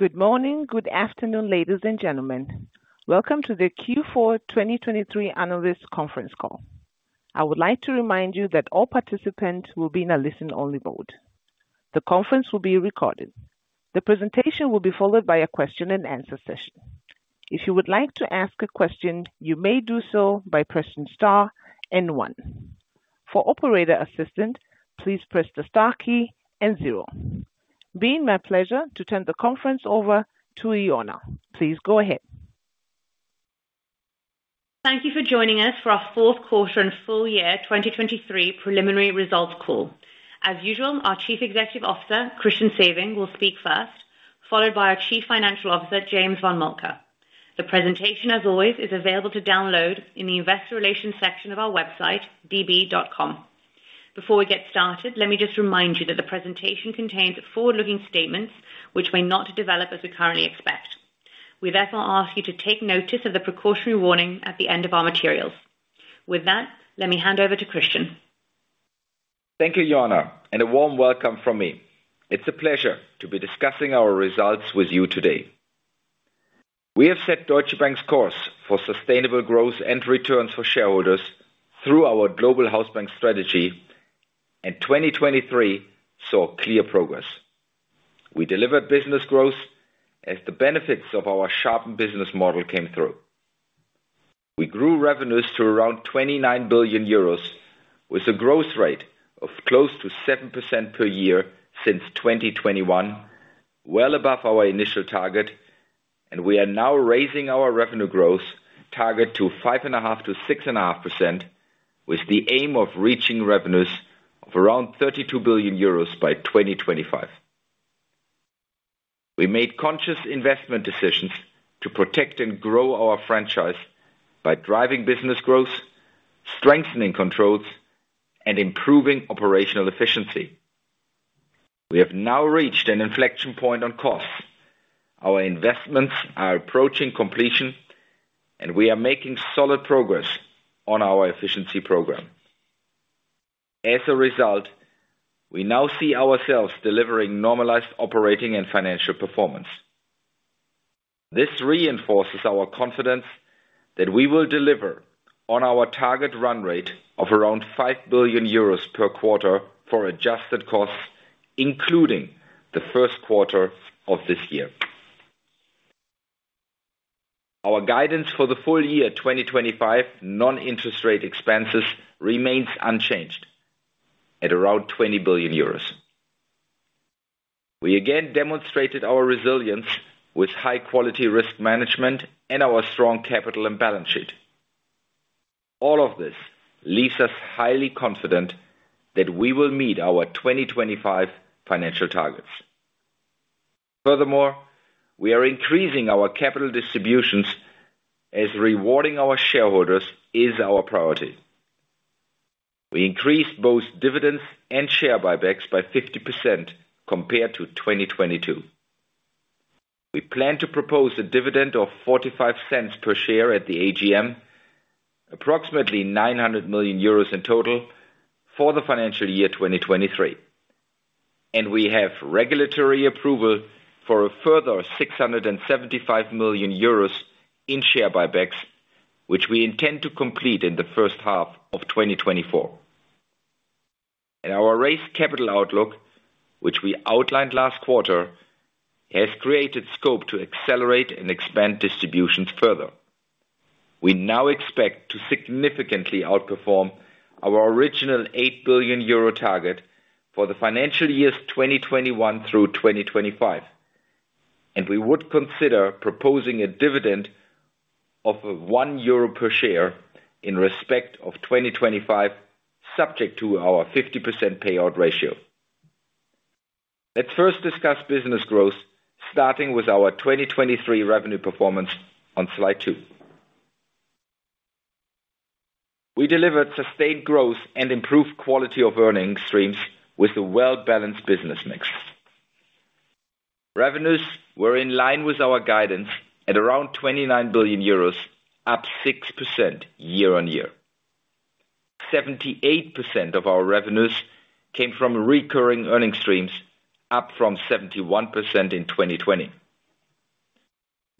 Good morning, good afternoon, ladies and gentlemen. Welcome to the Q4 2023 analyst conference call. I would like to remind you that all participants will be in a listen-only mode. The conference will be recorded. The presentation will be followed by a question and answer session. If you would like to ask a question, you may do so by pressing star and one. For operator assistance, please press the star key and zero. Be my pleasure to turn the conference over to Ioana. Please go ahead. Thank you for joining us for our fourth quarter and full year 2023 preliminary results call. As usual, our Chief Executive Officer, Christian Sewing, will speak first, followed by our Chief Financial Officer, James von Moltke. The presentation, as always, is available to download in the investor relations section of our website, db.com. Before we get started, let me just remind you that the presentation contains forward-looking statements which may not develop as we currently expect. We therefore ask you to take notice of the precautionary warning at the end of our materials. With that, let me hand over to Christian. Thank you, Ioana, and a warm welcome from me. It's a pleasure to be discussing our results with you today. We have set Deutsche Bank's course for sustainable growth and returns for shareholders through our Global Hausbank strategy, and 2023 saw clear progress. We delivered business growth as the benefits of our sharpened business model came through. We grew revenues to around 29 billion euros, with a growth rate of close to 7% per year since 2021, well above our initial target, and we are now raising our revenue growth target to 5.5%-6.5%, with the aim of reaching revenues of around 32 billion euros by 2025. We made conscious investment decisions to protect and grow our franchise by driving business growth, strengthening controls, and improving operational efficiency. We have now reached an inflection point on costs. Our investments are approaching completion, and we are making solid progress on our efficiency program. As a result, we now see ourselves delivering normalized operating and financial performance. This reinforces our confidence that we will deliver on our target run rate of around 5 billion euros per quarter for adjusted costs, including the first quarter of this year. Our guidance for the full year 2025 non-interest rate expenses remains unchanged at around 20 billion euros. We again demonstrated our resilience with high-quality risk management and our strong capital and balance sheet. All of this leaves us highly confident that we will meet our 2025 financial targets. Furthermore, we are increasing our capital distributions as rewarding our shareholders is our priority. We increased both dividends and share buybacks by 50% compared to 2022. We plan to propose a dividend of 0.45 per share at the AGM, approximately 900 million euros in total for the financial year 2023. We have regulatory approval for a further 675 million euros in share buybacks, which we intend to complete in the first half of 2024. Our raised capital outlook, which we outlined last quarter, has created scope to accelerate and expand distributions further. We now expect to significantly outperform our original 8 billion euro target for the financial years 2021 through 2025, and we would consider proposing a dividend of 1 euro per share in respect of 2025, subject to our 50% payout ratio. Let's first discuss business growth, starting with our 2023 revenue performance on slide two. We delivered sustained growth and improved quality of earning streams with a well-balanced business mix. Revenues were in line with our guidance at around 29 billion euros, up 6% year-on-year. 78% of our revenues came from recurring earning streams, up from 71% in 2020.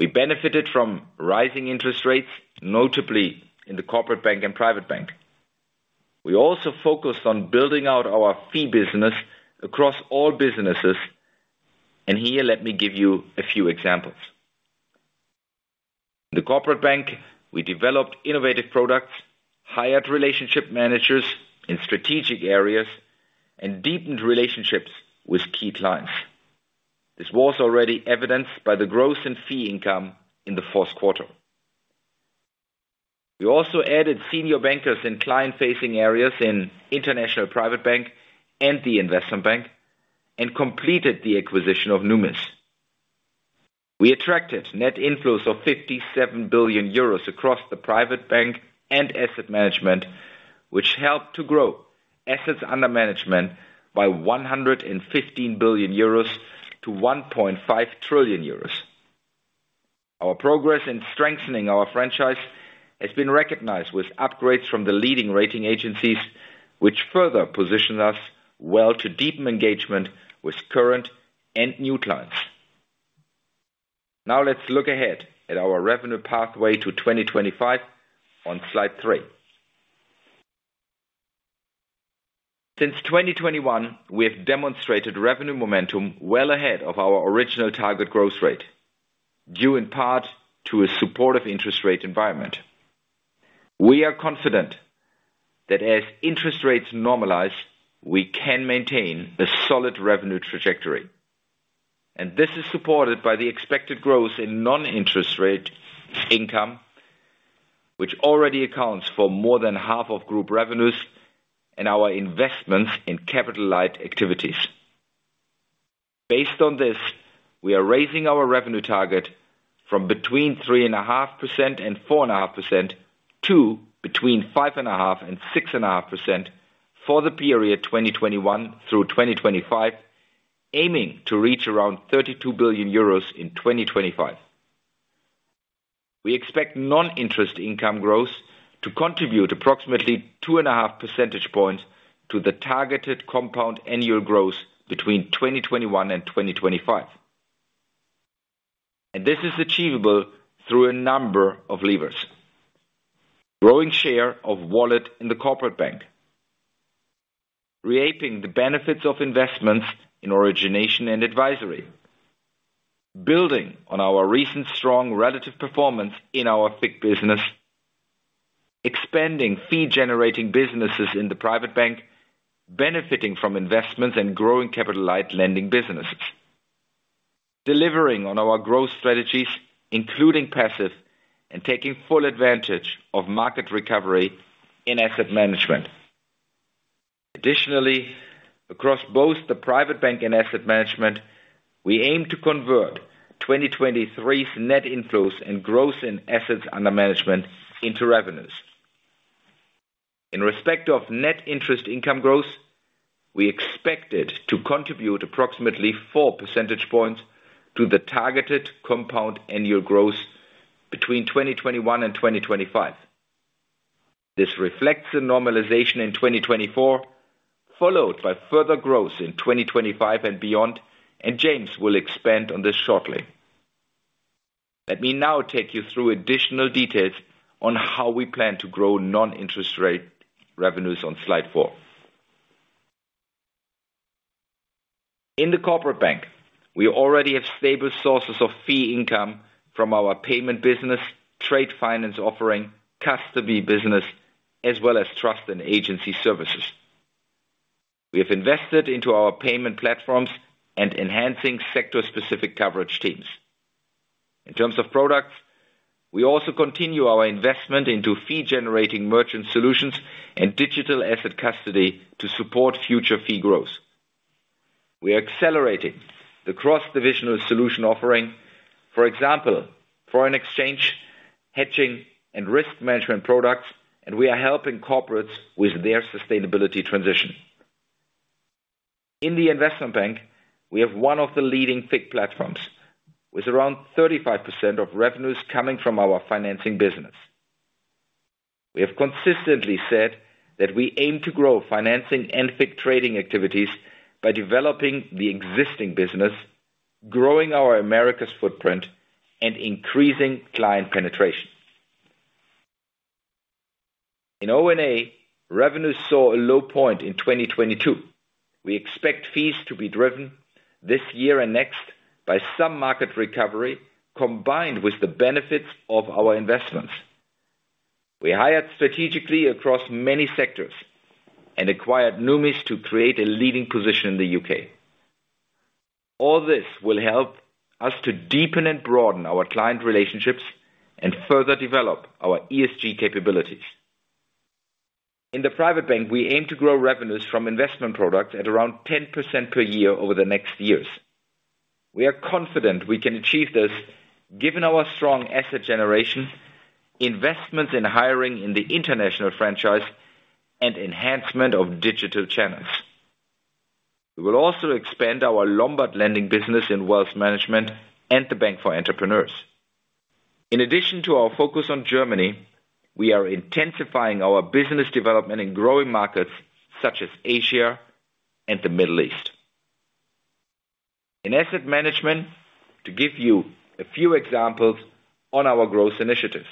We benefited from rising interest rates, notably in the Corporate Bank and Private Bank. We also focused on building out our fee business across all businesses, and here, let me give you a few examples. In the Corporate Bank, we developed innovative products, hired relationship managers in strategic areas, and deepened relationships with key clients. This was already evidenced by the growth in fee income in the fourth quarter. We also added senior bankers in client-facing areas International Private Bank and the Investment Bank and completed the acquisition of Numis. We attracted net inflows of 57 billion euros across the Private Bank and Asset Management, which helped to grow assets under management by 115 billion euros to 1.5 trillion euros. Our progress in strengthening our franchise has been recognized with upgrades from the leading rating agencies, which further position us well to deepen engagement with current and new clients. Now let's look ahead at our revenue pathway to 2025 on slide three. Since 2021, we have demonstrated revenue momentum well ahead of our original target growth rate, due in part to a supportive interest rate environment. We are confident that as interest rates normalize, we can maintain a solid revenue trajectory, and this is supported by the expected growth in non-interest rate income, which already accounts for more than half of group revenues and our investments in capital-light activities. Based on this, we are raising our revenue target from between 3.5% and 4.5% to between 5.5% and 6.5% for the period 2021 through 2025, aiming to reach around 32 billion euros in 2025. We expect non-interest income growth to contribute approximately 2.5 percentage points to the targeted compound annual growth between 2021 and 2025. This is achievable through a number of levers. Growing share of wallet in the Corporate Bank, reaping the benefits of investments in Origination & Advisory, building on our recent strong relative performance in our FIC business, expanding fee-generating businesses in the Private Bank, benefiting from investments and growing capital-light lending businesses, delivering on our growth strategies, including passive and taking full advantage of market recovery in Asset Management. Additionally, across both the Private Bank and Asset Management, we aim to convert 2023's net inflows and growth in assets under management into revenues. In respect of net interest income growth, we expect it to contribute approximately 4 percentage points to the targeted compound annual growth between 2021 and 2025. This reflects a normalization in 2024, followed by further growth in 2025 and beyond, and James will expand on this shortly. Let me now take you through additional details on how we plan to grow non-interest rate revenues on slide four. In the Corporate Bank, we already have stable sources of fee income from our payment business, trade finance offering, custody business, as well as trust and agency services. We have invested into our payment platforms and enhancing sector-specific coverage teams. In terms of products, we also continue our investment into fee-generating merchant solutions and digital asset custody to support future fee growth. We are accelerating the cross-divisional solution offering, for example, foreign exchange, hedging, and risk management products, and we are helping corporates with their sustainability transition. In the Investment Bank, we have one of the leading FIC platforms, with around 35% of revenues coming from our financing business. We have consistently said that we aim to grow financing and FIC trading activities by developing the existing business, growing our Americas footprint, and increasing client penetration. In O&A, revenues saw a low point in 2022. We expect fees to be driven this year and next by some market recovery, combined with the benefits of our investments. We hired strategically across many sectors and acquired Numis to create a leading position in the U.K. All this will help us to deepen and broaden our client relationships and further develop our ESG capabilities. In the Private Bank, we aim to grow revenues from investment products at around 10% per year over the next years. We are confident we can achieve this, given our strong asset generation, investments in hiring in the international franchise, and enhancement of digital channels. We will also expand our Lombard lending business in Wealth Management and the Bank for Entrepreneurs. In addition to our focus on Germany, we are intensifying our business development in growing markets such as Asia and the Middle East. In Asset Management, to give you a few examples on our growth initiatives.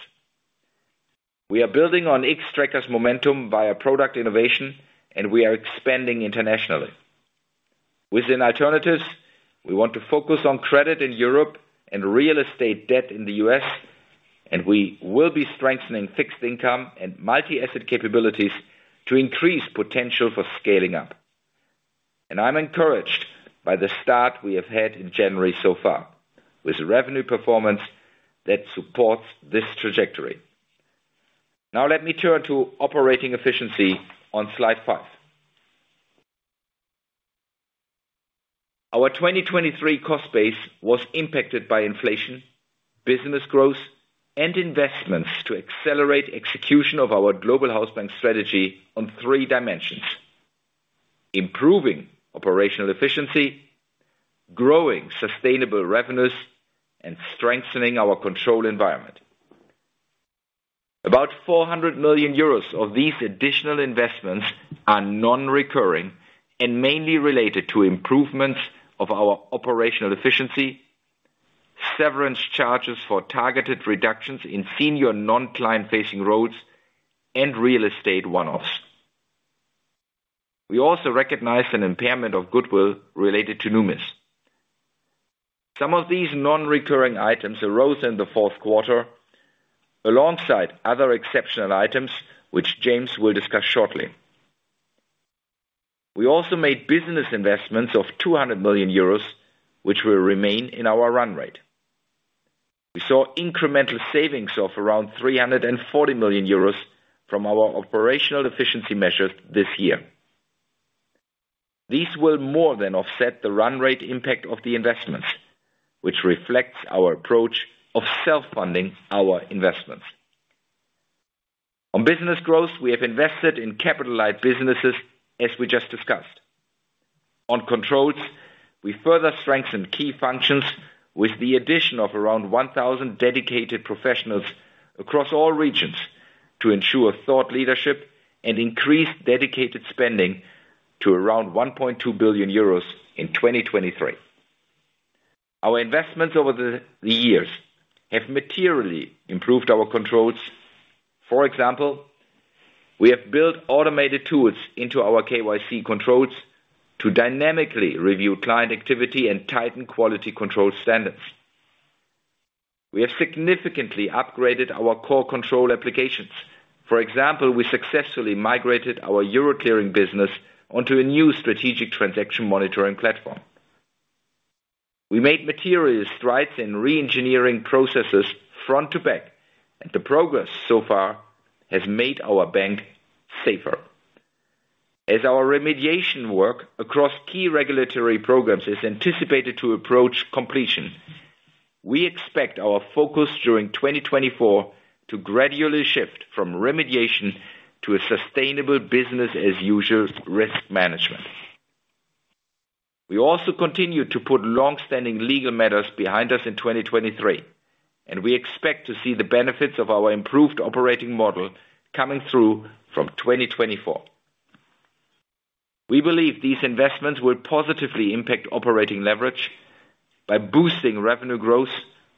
We are building on Xtrackers momentum via product innovation, and we are expanding internationally. Within alternatives, we want to focus on credit in Europe and real estate debt in the U.S., and we will be strengthening fixed income and multi-asset capabilities to increase potential for scaling up. And I'm encouraged by the start we have had in January so far, with revenue performance that supports this trajectory. Now let me turn to operating efficiency on slide five. Our 2023 cost base was impacted by inflation, business growth, and investments to accelerate execution of our Global Hausbank strategy on three dimensions: improving operational efficiency, growing sustainable revenues, and strengthening our control environment. About 400 million euros of these additional investments are non-recurring and mainly related to improvements of our operational efficiency, severance charges for targeted reductions in senior non-client facing roles, and real estate one-offs. We also recognize an impairment of goodwill related to Numis. Some of these non-recurring items arose in the fourth quarter, alongside other exceptional items, which James will discuss shortly. We also made business investments of 200 million euros, which will remain in our run rate. We saw incremental savings of around 340 million euros from our operational efficiency measures this year. These will more than offset the run rate impact of the investments, which reflects our approach of self-funding our investments. On business growth, we have invested in capitalized businesses, as we just discussed. On controls, we further strengthened key functions with the addition of around 1,000 dedicated professionals across all regions to ensure thought leadership and increase dedicated spending to around 1.2 billion euros in 2023. Our investments over the years have materially improved our controls. For example, we have built automated tools into our KYC controls to dynamically review client activity and tighten quality control standards. We have significantly upgraded our core control applications. For example, we successfully migrated our Euro clearing business onto a new strategic transaction monitoring platform. We made material strides in reengineering processes front to back, and the progress so far has made our bank safer. As our remediation work across key regulatory programs is anticipated to approach completion, we expect our focus during 2024 to gradually shift from remediation to a sustainable business as usual risk management. We also continued to put long-standing legal matters behind us in 2023, and we expect to see the benefits of our improved operating model coming through from 2024. We believe these investments will positively impact operating leverage by boosting revenue growth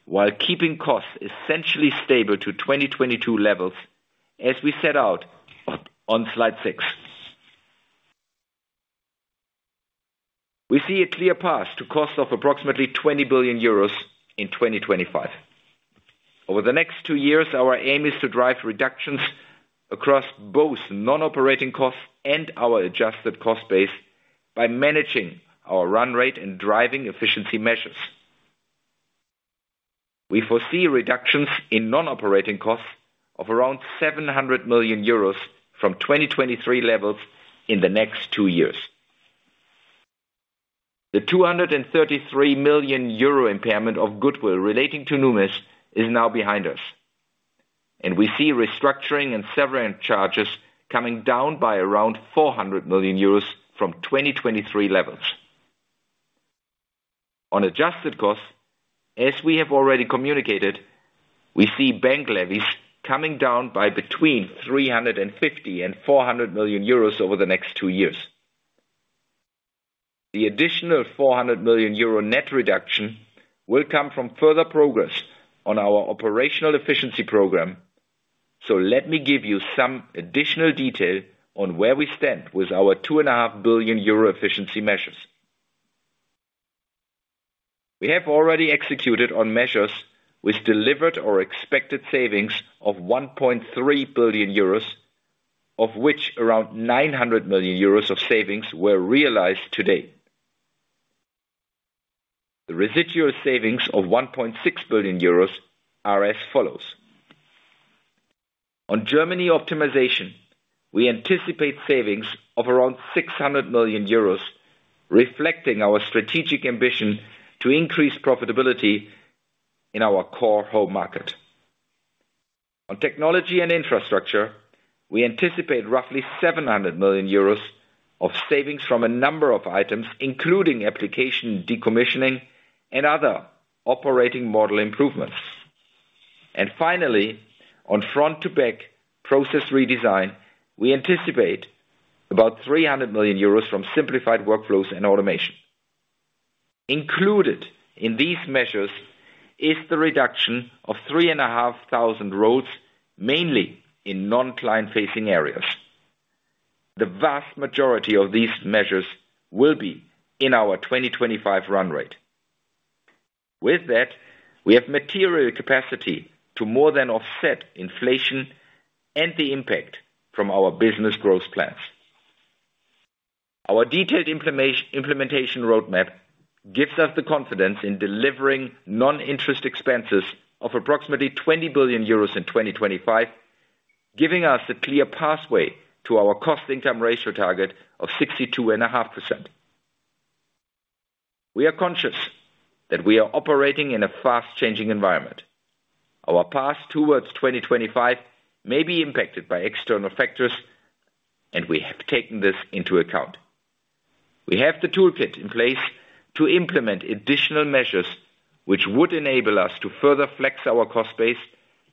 while keeping costs essentially stable to 2022 levels, as we set out on slide six. We see a clear path to cost of approximately 20 billion euros in 2025. Over the next two years, our aim is to drive reductions across both non-operating costs and our adjusted cost base by managing our run rate and driving efficiency measures. We foresee reductions in non-operating costs of around 700 million euros from 2023 levels in the next two years. The 233 million euro impairment of goodwill relating to Numis is now behind us, and we see restructuring and severance charges coming down by around 400 million euros from 2023 levels. On adjusted costs, as we have already communicated, we see bank levies coming down by between 350 million and 400 million euros over the next two years. The additional 400 million euro net reduction will come from further progress on our operational efficiency program. So let me give you some additional detail on where we stand with our 2.5 billion euro efficiency measures. We have already executed on measures with delivered or expected savings of 1.3 billion euros, of which around 900 million euros of savings were realized today. The residual savings of 1.6 billion euros are as follows: On Germany optimization, we anticipate savings of around 600 million euros, reflecting our strategic ambition to increase profitability in our core home market. On technology and infrastructure, we anticipate roughly 700 million euros of savings from a number of items, including application decommissioning and other operating model improvements. Finally, on front to back process redesign, we anticipate about 300 million euros from simplified workflows and automation. Included in these measures is the reduction of 3,500 roles, mainly in non-client facing areas. The vast majority of these measures will be in our 2025 run rate. With that, we have material capacity to more than offset inflation and the impact from our business growth plans. Our detailed implementation roadmap gives us the confidence in delivering non-interest expenses of approximately 20 billion euros in 2025, giving us a clear pathway to our cost income ratio target of 62.5%.... We are conscious that we are operating in a fast-changing environment. Our path towards 2025 may be impacted by external factors, and we have taken this into account. We have the toolkit in place to implement additional measures, which would enable us to further flex our cost base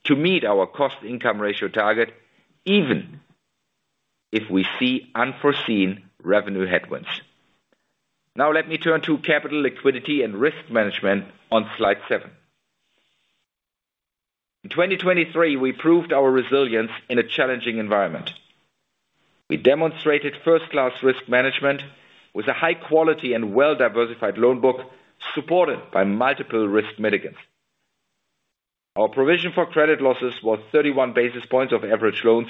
to meet our cost-income ratio target, even if we see unforeseen revenue headwinds. Now let me turn to capital liquidity and risk management on slide seven. In 2023, we proved our resilience in a challenging environment. We demonstrated first-class risk management with a high quality and well-diversified loan book, supported by multiple risk mitigants. Our provision for credit losses was 31 basis points of average loans,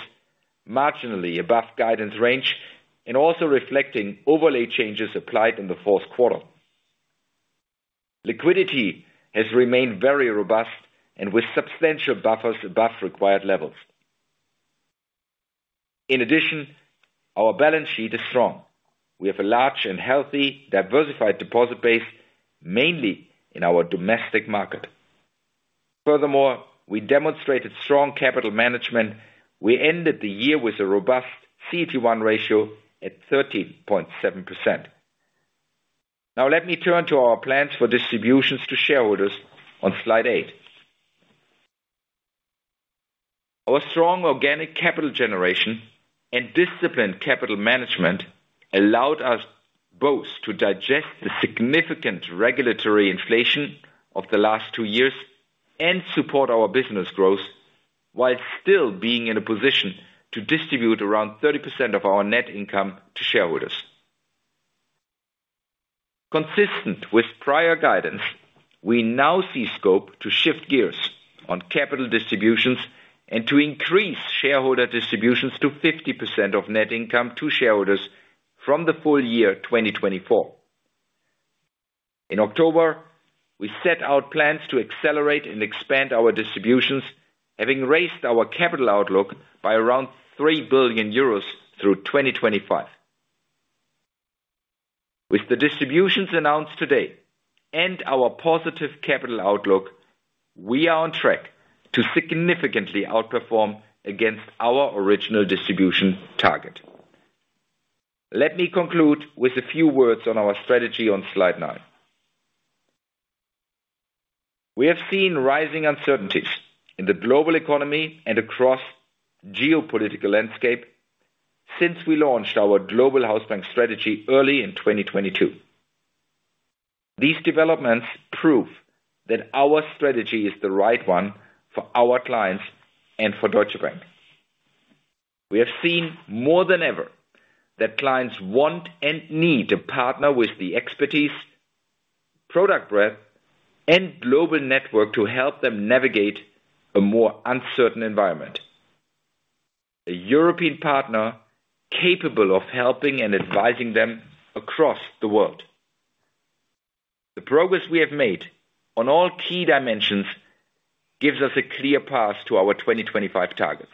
marginally above guidance range and also reflecting overlay changes applied in the fourth quarter. Liquidity has remained very robust and with substantial buffers above required levels. In addition, our balance sheet is strong. We have a large and healthy, diversified deposit base, mainly in our domestic market. Furthermore, we demonstrated strong capital management. We ended the year with a robust CET1 ratio at 13.7%. Now let me turn to our plans for distributions to shareholders on slide eight. Our strong organic capital generation and disciplined capital management allowed us both to digest the significant regulatory inflation of the last two years and support our business growth, while still being in a position to distribute around 30% of our net income to shareholders. Consistent with prior guidance, we now see scope to shift gears on capital distributions and to increase shareholder distributions to 50% of net income to shareholders from the full year 2024. In October, we set out plans to accelerate and expand our distributions, having raised our capital outlook by around 3 billion euros through 2025. With the distributions announced today and our positive capital outlook, we are on track to significantly outperform against our original distribution target. Let me conclude with a few words on our strategy on slide nine. We have seen rising uncertainties in the global economy and across geopolitical landscape since we launched our Global Hausbank strategy early in 2022. These developments prove that our strategy is the right one for our clients and for Deutsche Bank. We have seen more than ever that clients want and need to partner with the expertise, product breadth, and global network to help them navigate a more uncertain environment, a European partner capable of helping and advising them across the world. The progress we have made on all key dimensions gives us a clear path to our 2025 targets.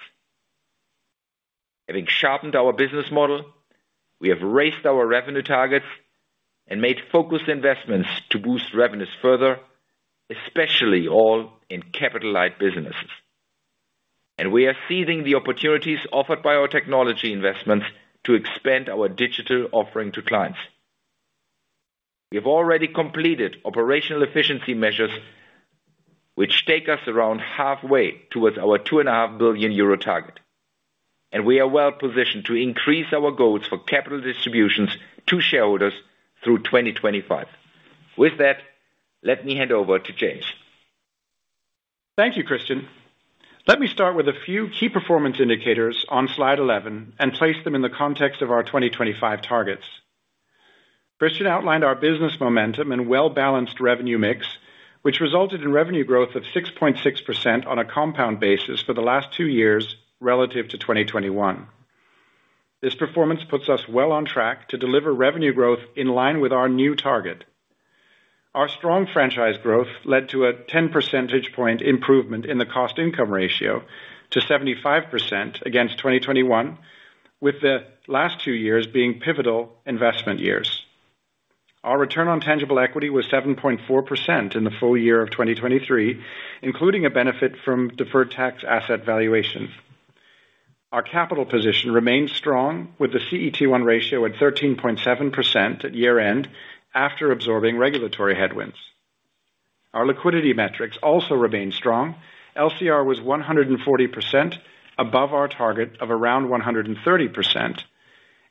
Having sharpened our business model, we have raised our revenue targets and made focused investments to boost revenues further, especially all in capital light businesses. We are seizing the opportunities offered by our technology investments to expand our digital offering to clients. We have already completed operational efficiency measures, which take us around halfway towards our 2.5 billion euro target, and we are well positioned to increase our goals for capital distributions to shareholders through 2025. With that, let me hand over to James. Thank you, Christian. Let me start with a few key performance indicators on slide 11 and place them in the context of our 2025 targets. Christian outlined our business momentum and well-balanced revenue mix, which resulted in revenue growth of 6.6% on a compound basis for the last two years relative to 2021. This performance puts us well on track to deliver revenue growth in line with our new target. Our strong franchise growth led to a 10 percentage point improvement in the cost-income ratio to 75% against 2021, with the last two years being pivotal investment years. Our return on tangible equity was 7.4% in the full year of 2023, including a benefit from deferred tax asset valuations. Our capital position remains strong, with the CET1 ratio at 13.7% at year-end, after absorbing regulatory headwinds. Our liquidity metrics also remain strong. LCR was 140% above our target of around 130%,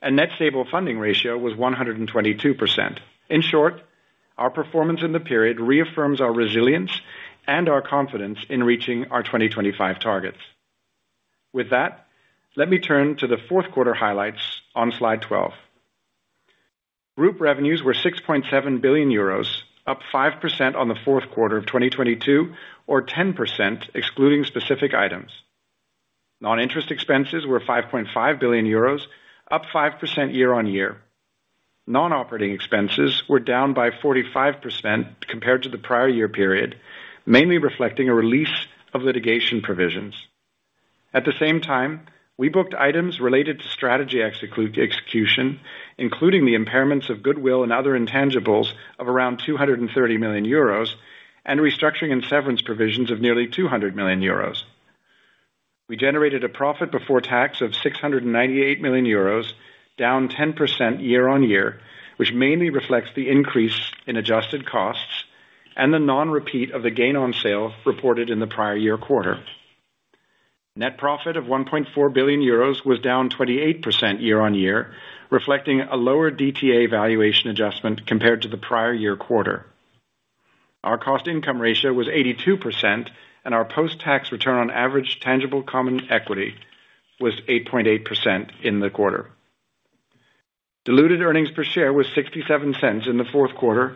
and Net Stable Funding Ratio was 122%. In short, our performance in the period reaffirms our resilience and our confidence in reaching our 2025 targets. With that, let me turn to the fourth quarter highlights on slide 12. Group revenues were 6.7 billion euros, up 5% on the fourth quarter of 2022, or 10% excluding specific items. Non-interest expenses were 5.5 billion euros, up 5% year on year. Non-operating expenses were down by 45% compared to the prior year period, mainly reflecting a release of litigation provisions. At the same time, we booked items related to strategy execution, including the impairments of goodwill and other intangibles of around 230 million euros, and restructuring and severance provisions of nearly 200 million euros. We generated a profit before tax of 698 million euros, down 10% year-over-year, which mainly reflects the increase in adjusted costs and the non-repeat of the gain on sale reported in the prior year quarter. Net profit of 1.4 billion euros was down 28% year-over-year, reflecting a lower DTA valuation adjustment compared to the prior year quarter. Our cost income ratio was 82%, and our post-tax return on average tangible common equity was 8.8% in the quarter. Diluted earnings per share was 0.67 in the fourth quarter,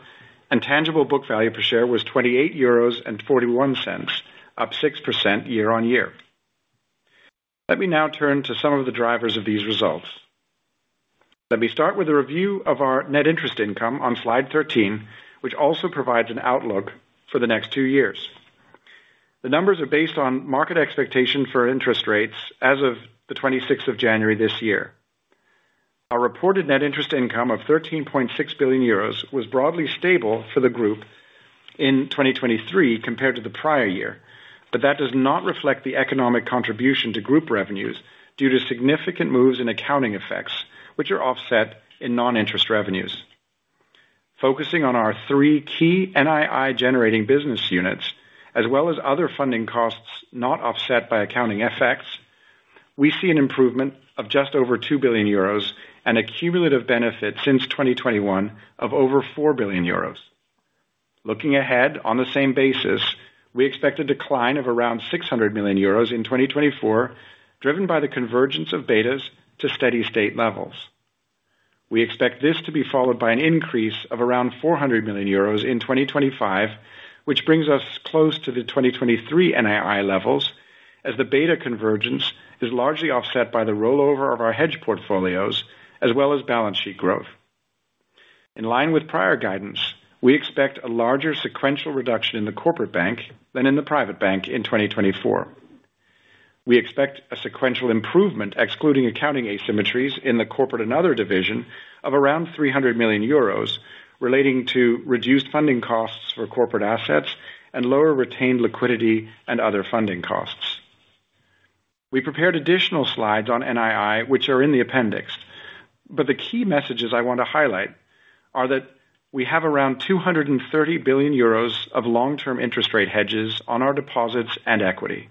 and tangible book value per share was 28.41 euros, up 6% year-on-year. Let me now turn to some of the drivers of these results. Let me start with a review of our net interest income on slide 13, which also provides an outlook for the next two years. The numbers are based on market expectation for interest rates as of the 26th of January this year. Our reported net interest income of 13.6 billion euros was broadly stable for the group in 2023 compared to the prior year, but that does not reflect the economic contribution to group revenues due to significant moves in accounting effects, which are offset in non-interest revenues. Focusing on our three key NII generating business units, as well as other funding costs, not offset by accounting effects, we see an improvement of just over 2 billion euros and a cumulative benefit since 2021 of over 4 billion euros. Looking ahead, on the same basis, we expect a decline of around 600 million euros in 2024, driven by the convergence of betas to steady-state levels. We expect this to be followed by an increase of around 400 million euros in 2025, which brings us close to the 2023 NII levels, as the beta convergence is largely offset by the rollover of our hedge portfolios as well as balance sheet growth. In line with prior guidance, we expect a larger sequential reduction in the Corporate Bank than in the Private Bank in 2024. We expect a sequential improvement, excluding accounting asymmetries in the Corporate and Other division of around 300 million euros, relating to reduced funding costs for corporate assets and lower retained liquidity and other funding costs. We prepared additional slides on NII, which are in the appendix, but the key messages I want to highlight are that we have around 230 billion euros of long-term interest rate hedges on our deposits and equity.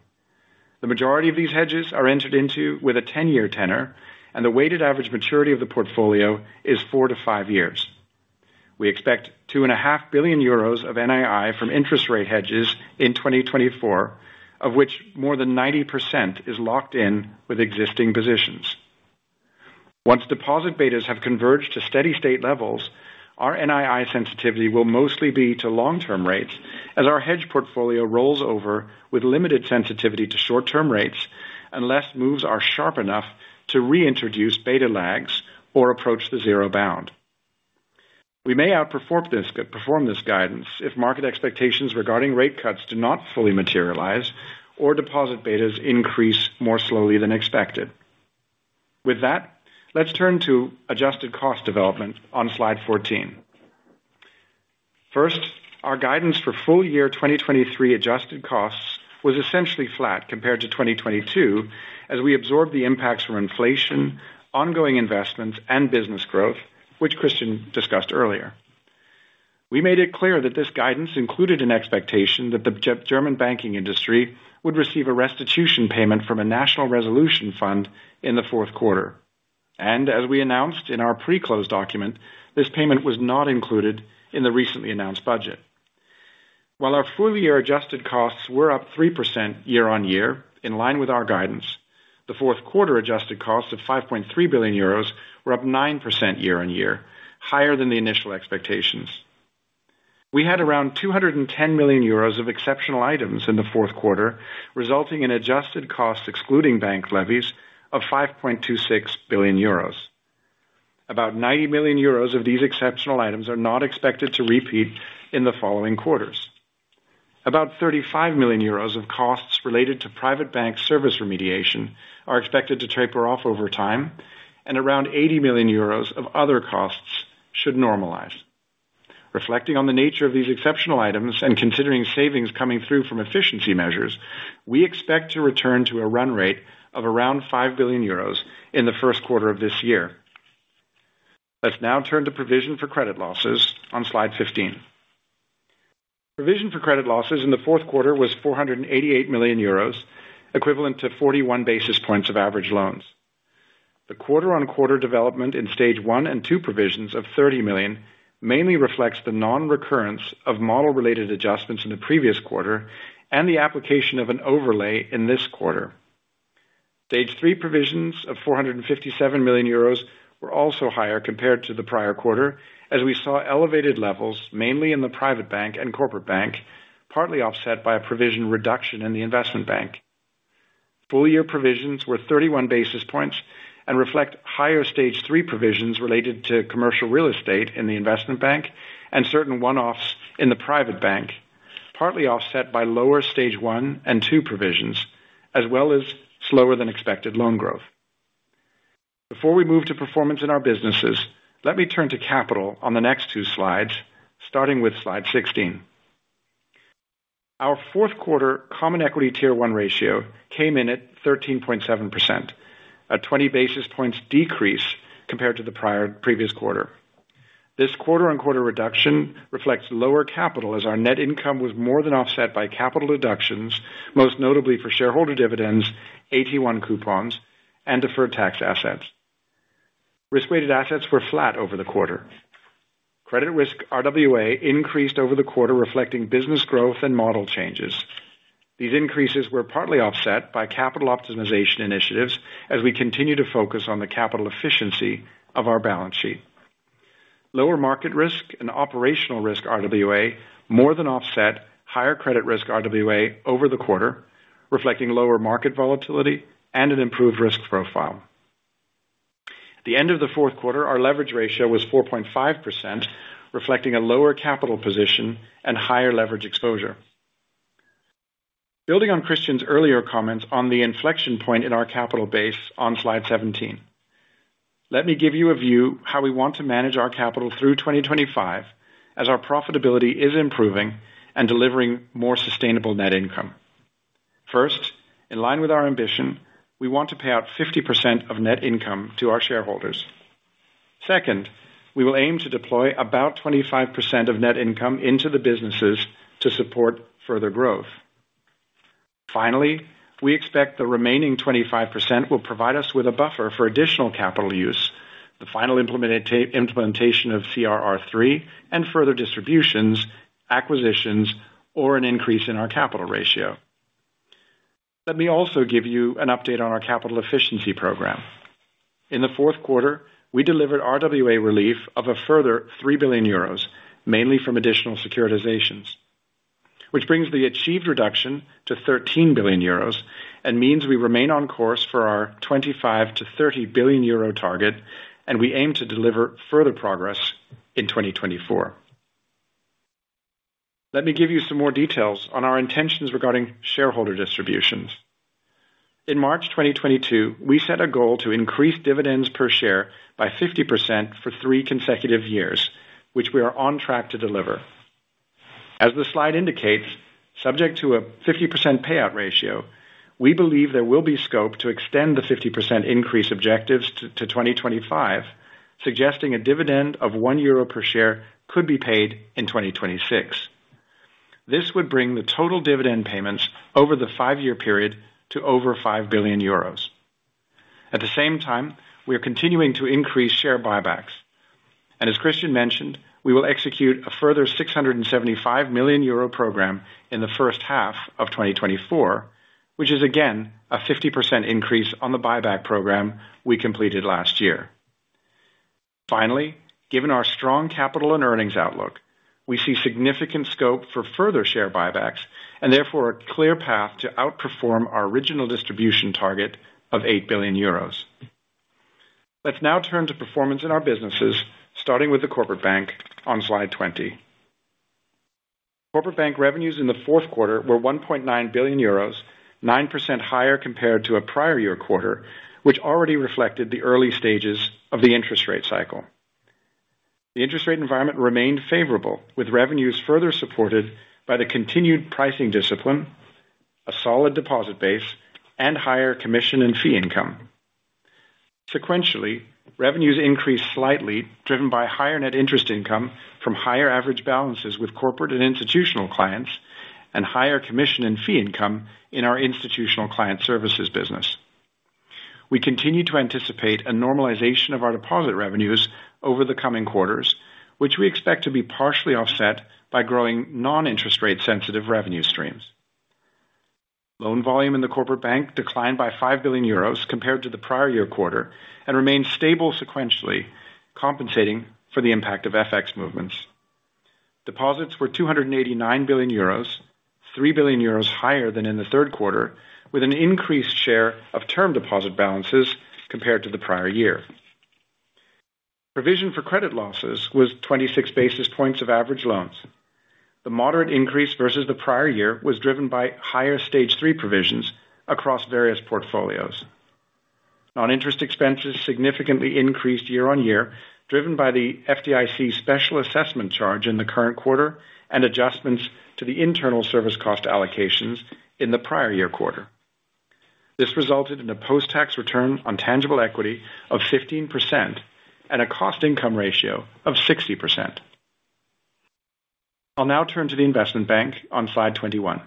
The majority of these hedges are entered into with a 10-year tenor, and the weighted average maturity of the portfolio is 4-5 years. We expect 2.5 billion euros of NII from interest rate hedges in 2024, of which more than 90% is locked in with existing positions. Once deposit betas have converged to steady-state levels, our NII sensitivity will mostly be to long-term rates as our hedge portfolio rolls over with limited sensitivity to short-term rates, unless moves are sharp enough to reintroduce beta lags or approach the zero bound. We may outperform this, perform this guidance if market expectations regarding rate cuts do not fully materialize or deposit betas increase more slowly than expected. With that, let's turn to adjusted cost development on slide 14. First, our guidance for full year 2023 adjusted costs was essentially flat compared to 2022, as we absorbed the impacts from inflation, ongoing investments, and business growth, which Christian discussed earlier. We made it clear that this guidance included an expectation that the German banking industry would receive a restitution payment from a National Resolution Fund in the fourth quarter. And as we announced in our pre-close document, this payment was not included in the recently announced budget. While our full-year adjusted costs were up 3% year-on-year, in line with our guidance, the fourth quarter adjusted costs of 5.3 billion euros were up 9% year-on-year, higher than the initial expectations. We had around 210 million euros of exceptional items in the fourth quarter, resulting in adjusted costs, excluding bank levies of 5.26 billion euros. About 90 million euros of these exceptional items are not expected to repeat in the following quarters. About 35 million euros of costs related to Private Bank service remediation are expected to taper off over time, and around 80 million euros of other costs should normalize. Reflecting on the nature of these exceptional items and considering savings coming through from efficiency measures, we expect to return to a run rate of around 5 billion euros in the first quarter of this year. Let's now turn to provision for credit losses on slide 15. Provision for credit losses in the fourth quarter was 488 million euros, equivalent to 41 basis points of average loans. The quarter-on-quarter development in Stage 1 and 2 provisions of 30 million mainly reflects the non-recurrence of model-related adjustments in the previous quarter and the application of an overlay in this quarter. Stage 3 provisions of 457 million euros were also higher compared to the prior quarter, as we saw elevated levels, mainly in the Private Bank and Corporate Bank, partly offset by a provision reduction in the Investment Bank. Full year provisions were 31 basis points and reflect higher Stage 3 provisions related to commercial real estate in the Investment Bank and certain one-offs in the Private Bank, partly offset by lower Stage 1 and 2 provisions, as well as slower than expected loan growth. Before we move to performance in our businesses, let me turn to capital on the next two slides, starting with Slide 16. Our fourth quarter Common Equity Tier 1 ratio came in at 13.7%, a 20 basis points decrease compared to the prior previous quarter. This quarter-on-quarter reduction reflects lower capital, as our net income was more than offset by capital deductions, most notably for shareholder dividends, AT1 coupons, and deferred tax assets. Risk-weighted assets were flat over the quarter. Credit risk RWA increased over the quarter, reflecting business growth and model changes. These increases were partly offset by capital optimization initiatives as we continue to focus on the capital efficiency of our balance sheet. Lower market risk and operational risk RWA more than offset higher credit risk RWA over the quarter, reflecting lower market volatility and an improved risk profile. At the end of the fourth quarter, our leverage ratio was 4.5%, reflecting a lower capital position and higher leverage exposure. Building on Christian's earlier comments on the inflection point in our capital base on Slide 17, let me give you a view how we want to manage our capital through 2025, as our profitability is improving and delivering more sustainable net income. First, in line with our ambition, we want to pay out 50% of net income to our shareholders. Second, we will aim to deploy about 25% of net income into the businesses to support further growth. Finally, we expect the remaining 25% will provide us with a buffer for additional capital use, the final implementation of CRR3, and further distributions, acquisitions, or an increase in our capital ratio. Let me also give you an update on our capital efficiency program. In the fourth quarter, we delivered RWA relief of a further 3 billion euros, mainly from additional securitizations, which brings the achieved reduction to 13 billion euros and means we remain on course for our 25 billion-30 billion euro target, and we aim to deliver further progress in 2024. Let me give you some more details on our intentions regarding shareholder distributions. In March 2022, we set a goal to increase dividends per share by 50% for three consecutive years, which we are on track to deliver. As the slide indicates, subject to a 50% payout ratio, we believe there will be scope to extend the 50% increase objectives to 2025, suggesting a dividend of 1 euro per share could be paid in 2026. This would bring the total dividend payments over the five-year period to over 5 billion euros. At the same time, we are continuing to increase share buybacks, and as Christian mentioned, we will execute a further 675 million euro program in the first half of 2024, which is again, a 50% increase on the buyback program we completed last year. Finally, given our strong capital and earnings outlook, we see significant scope for further share buybacks and therefore a clear path to outperform our original distribution target of 8 billion euros. Let's now turn to performance in our businesses, starting with the Corporate Bank on slide 20. Corporate Bank revenues in the fourth quarter were 1.9 billion euros, 9% higher compared to a prior year quarter, which already reflected the early stages of the interest rate cycle. The interest rate environment remained favorable, with revenues further supported by the continued pricing discipline, a solid deposit base, and higher commission and fee income. Sequentially, revenues increased slightly, driven by higher net interest income from higher average balances with corporate and institutional clients and higher commission and fee income in our institutional client services business. We continue to anticipate a normalization of our deposit revenues over the coming quarters, which we expect to be partially offset by growing non-interest rate-sensitive revenue streams. Loan volume in the Corporate Bank declined by 5 billion euros compared to the prior year quarter and remained stable sequentially, compensating for the impact of FX movements. Deposits were 289 billion euros, 3 billion euros higher than in the third quarter, with an increased share of term deposit balances compared to the prior year. Provision for credit losses was 26 basis points of average loans. The moderate increase versus the prior year was driven by higher Stage 3 provisions across various portfolios. Non-interest expenses significantly increased year-on-year, driven by the FDIC special assessment charge in the current quarter and adjustments to the internal service cost allocations in the prior year quarter. This resulted in a post-tax return on tangible equity of 15% and a cost income ratio of 60%. I'll now turn to the Investment Bank on Slide 21.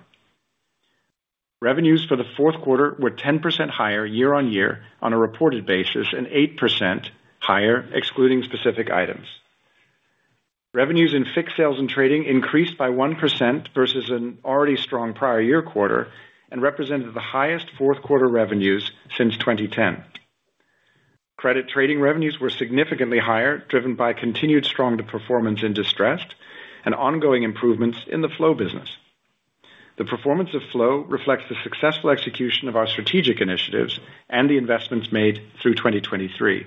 Revenues for the fourth quarter were 10% higher year-on-year on a reported basis, and 8% higher, excluding specific items. Revenues in FIC Sales and Trading increased by 1% versus an already strong prior year quarter and represented the highest fourth quarter revenues since 2010. Credit trading revenues were significantly higher, driven by continued strong performance in distressed and ongoing improvements in the flow business.... The performance of Flow reflects the successful execution of our strategic initiatives and the investments made through 2023.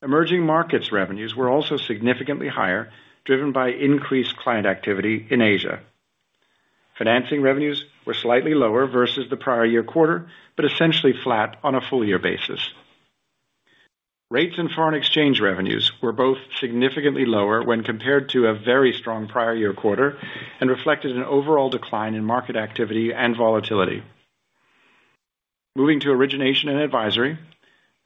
Emerging markets revenues were also significantly higher, driven by increased client activity in Asia. Financing revenues were slightly lower versus the prior year quarter, but essentially flat on a full year basis. Rates and foreign exchange revenues were both significantly lower when compared to a very strong prior year quarter and reflected an overall decline in market activity and volatility. Moving to Origination & Advisory,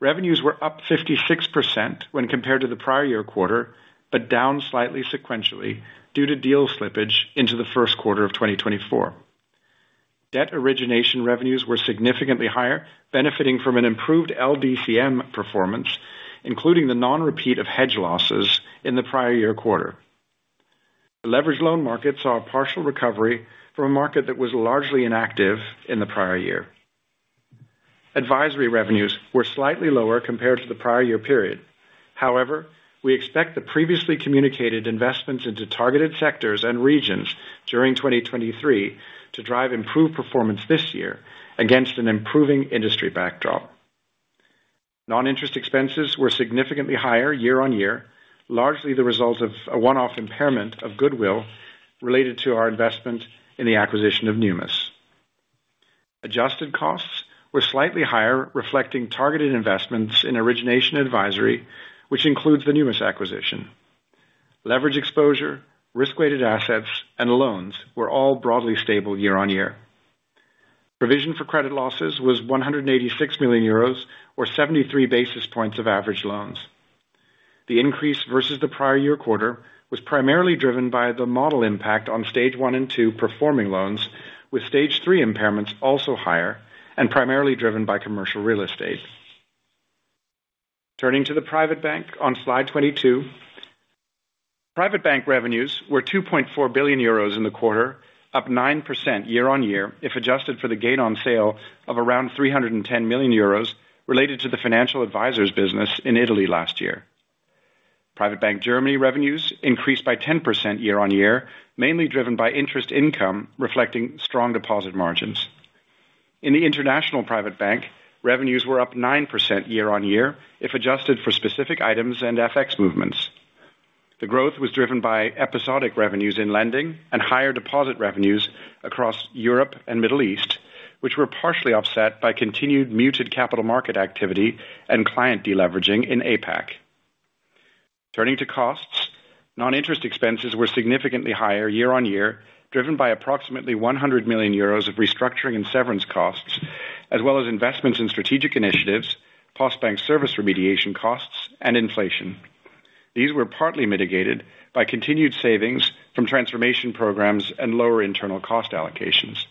revenues were up 56% when compared to the prior year quarter, but down slightly sequentially due to deal slippage into the first quarter of 2024. Debt origination revenues were significantly higher, benefiting from an improved LDCM performance, including the non-repeat of hedge losses in the prior year quarter. The leverage loan market saw a partial recovery from a market that was largely inactive in the prior year. Advisory revenues were slightly lower compared to the prior year period. However, we expect the previously communicated investments into targeted sectors and regions during 2023 to drive improved performance this year against an improving industry backdrop. Non-interest expenses were significantly higher year-on-year, largely the result of a one-off impairment of goodwill related to our investment in the acquisition of Numis. Adjusted costs were slightly higher, reflecting targeted investments in Origination & Advisory, which includes the Numis acquisition. Leverage exposure, risk-weighted assets, and loans were all broadly stable year-on-year. Provision for credit losses was 186 million euros, or 73 basis points of average loans. The increase versus the prior year quarter was primarily driven by the model impact on Stage 1 and 2 performing loans, with Stage 3 impairments also higher and primarily driven by commercial real estate. Turning to the Private Bank on slide 22. Private Bank revenues were 2.4 billion euros in the quarter, up 9% year-on-year, if adjusted for the gain on sale of around 310 million euros related to the financial advisors business in Italy last year. Private Bank Germany revenues increased by 10% year-on-year, mainly driven by interest income, reflecting strong deposit margins. In International Private Bank, revenues were up 9% year-on-year, if adjusted for specific items and FX movements. The growth was driven by episodic revenues in lending and higher deposit revenues across Europe and Middle East, which were partially offset by continued muted capital market activity and client deleveraging in APAC. Turning to costs, non-interest expenses were significantly higher year-on-year, driven by approximately 100 million euros of restructuring and severance costs, as well as investments in strategic initiatives, Postbank service remediation costs, and inflation. These were partly mitigated by continued savings from transformation programs and lower internal cost allocations.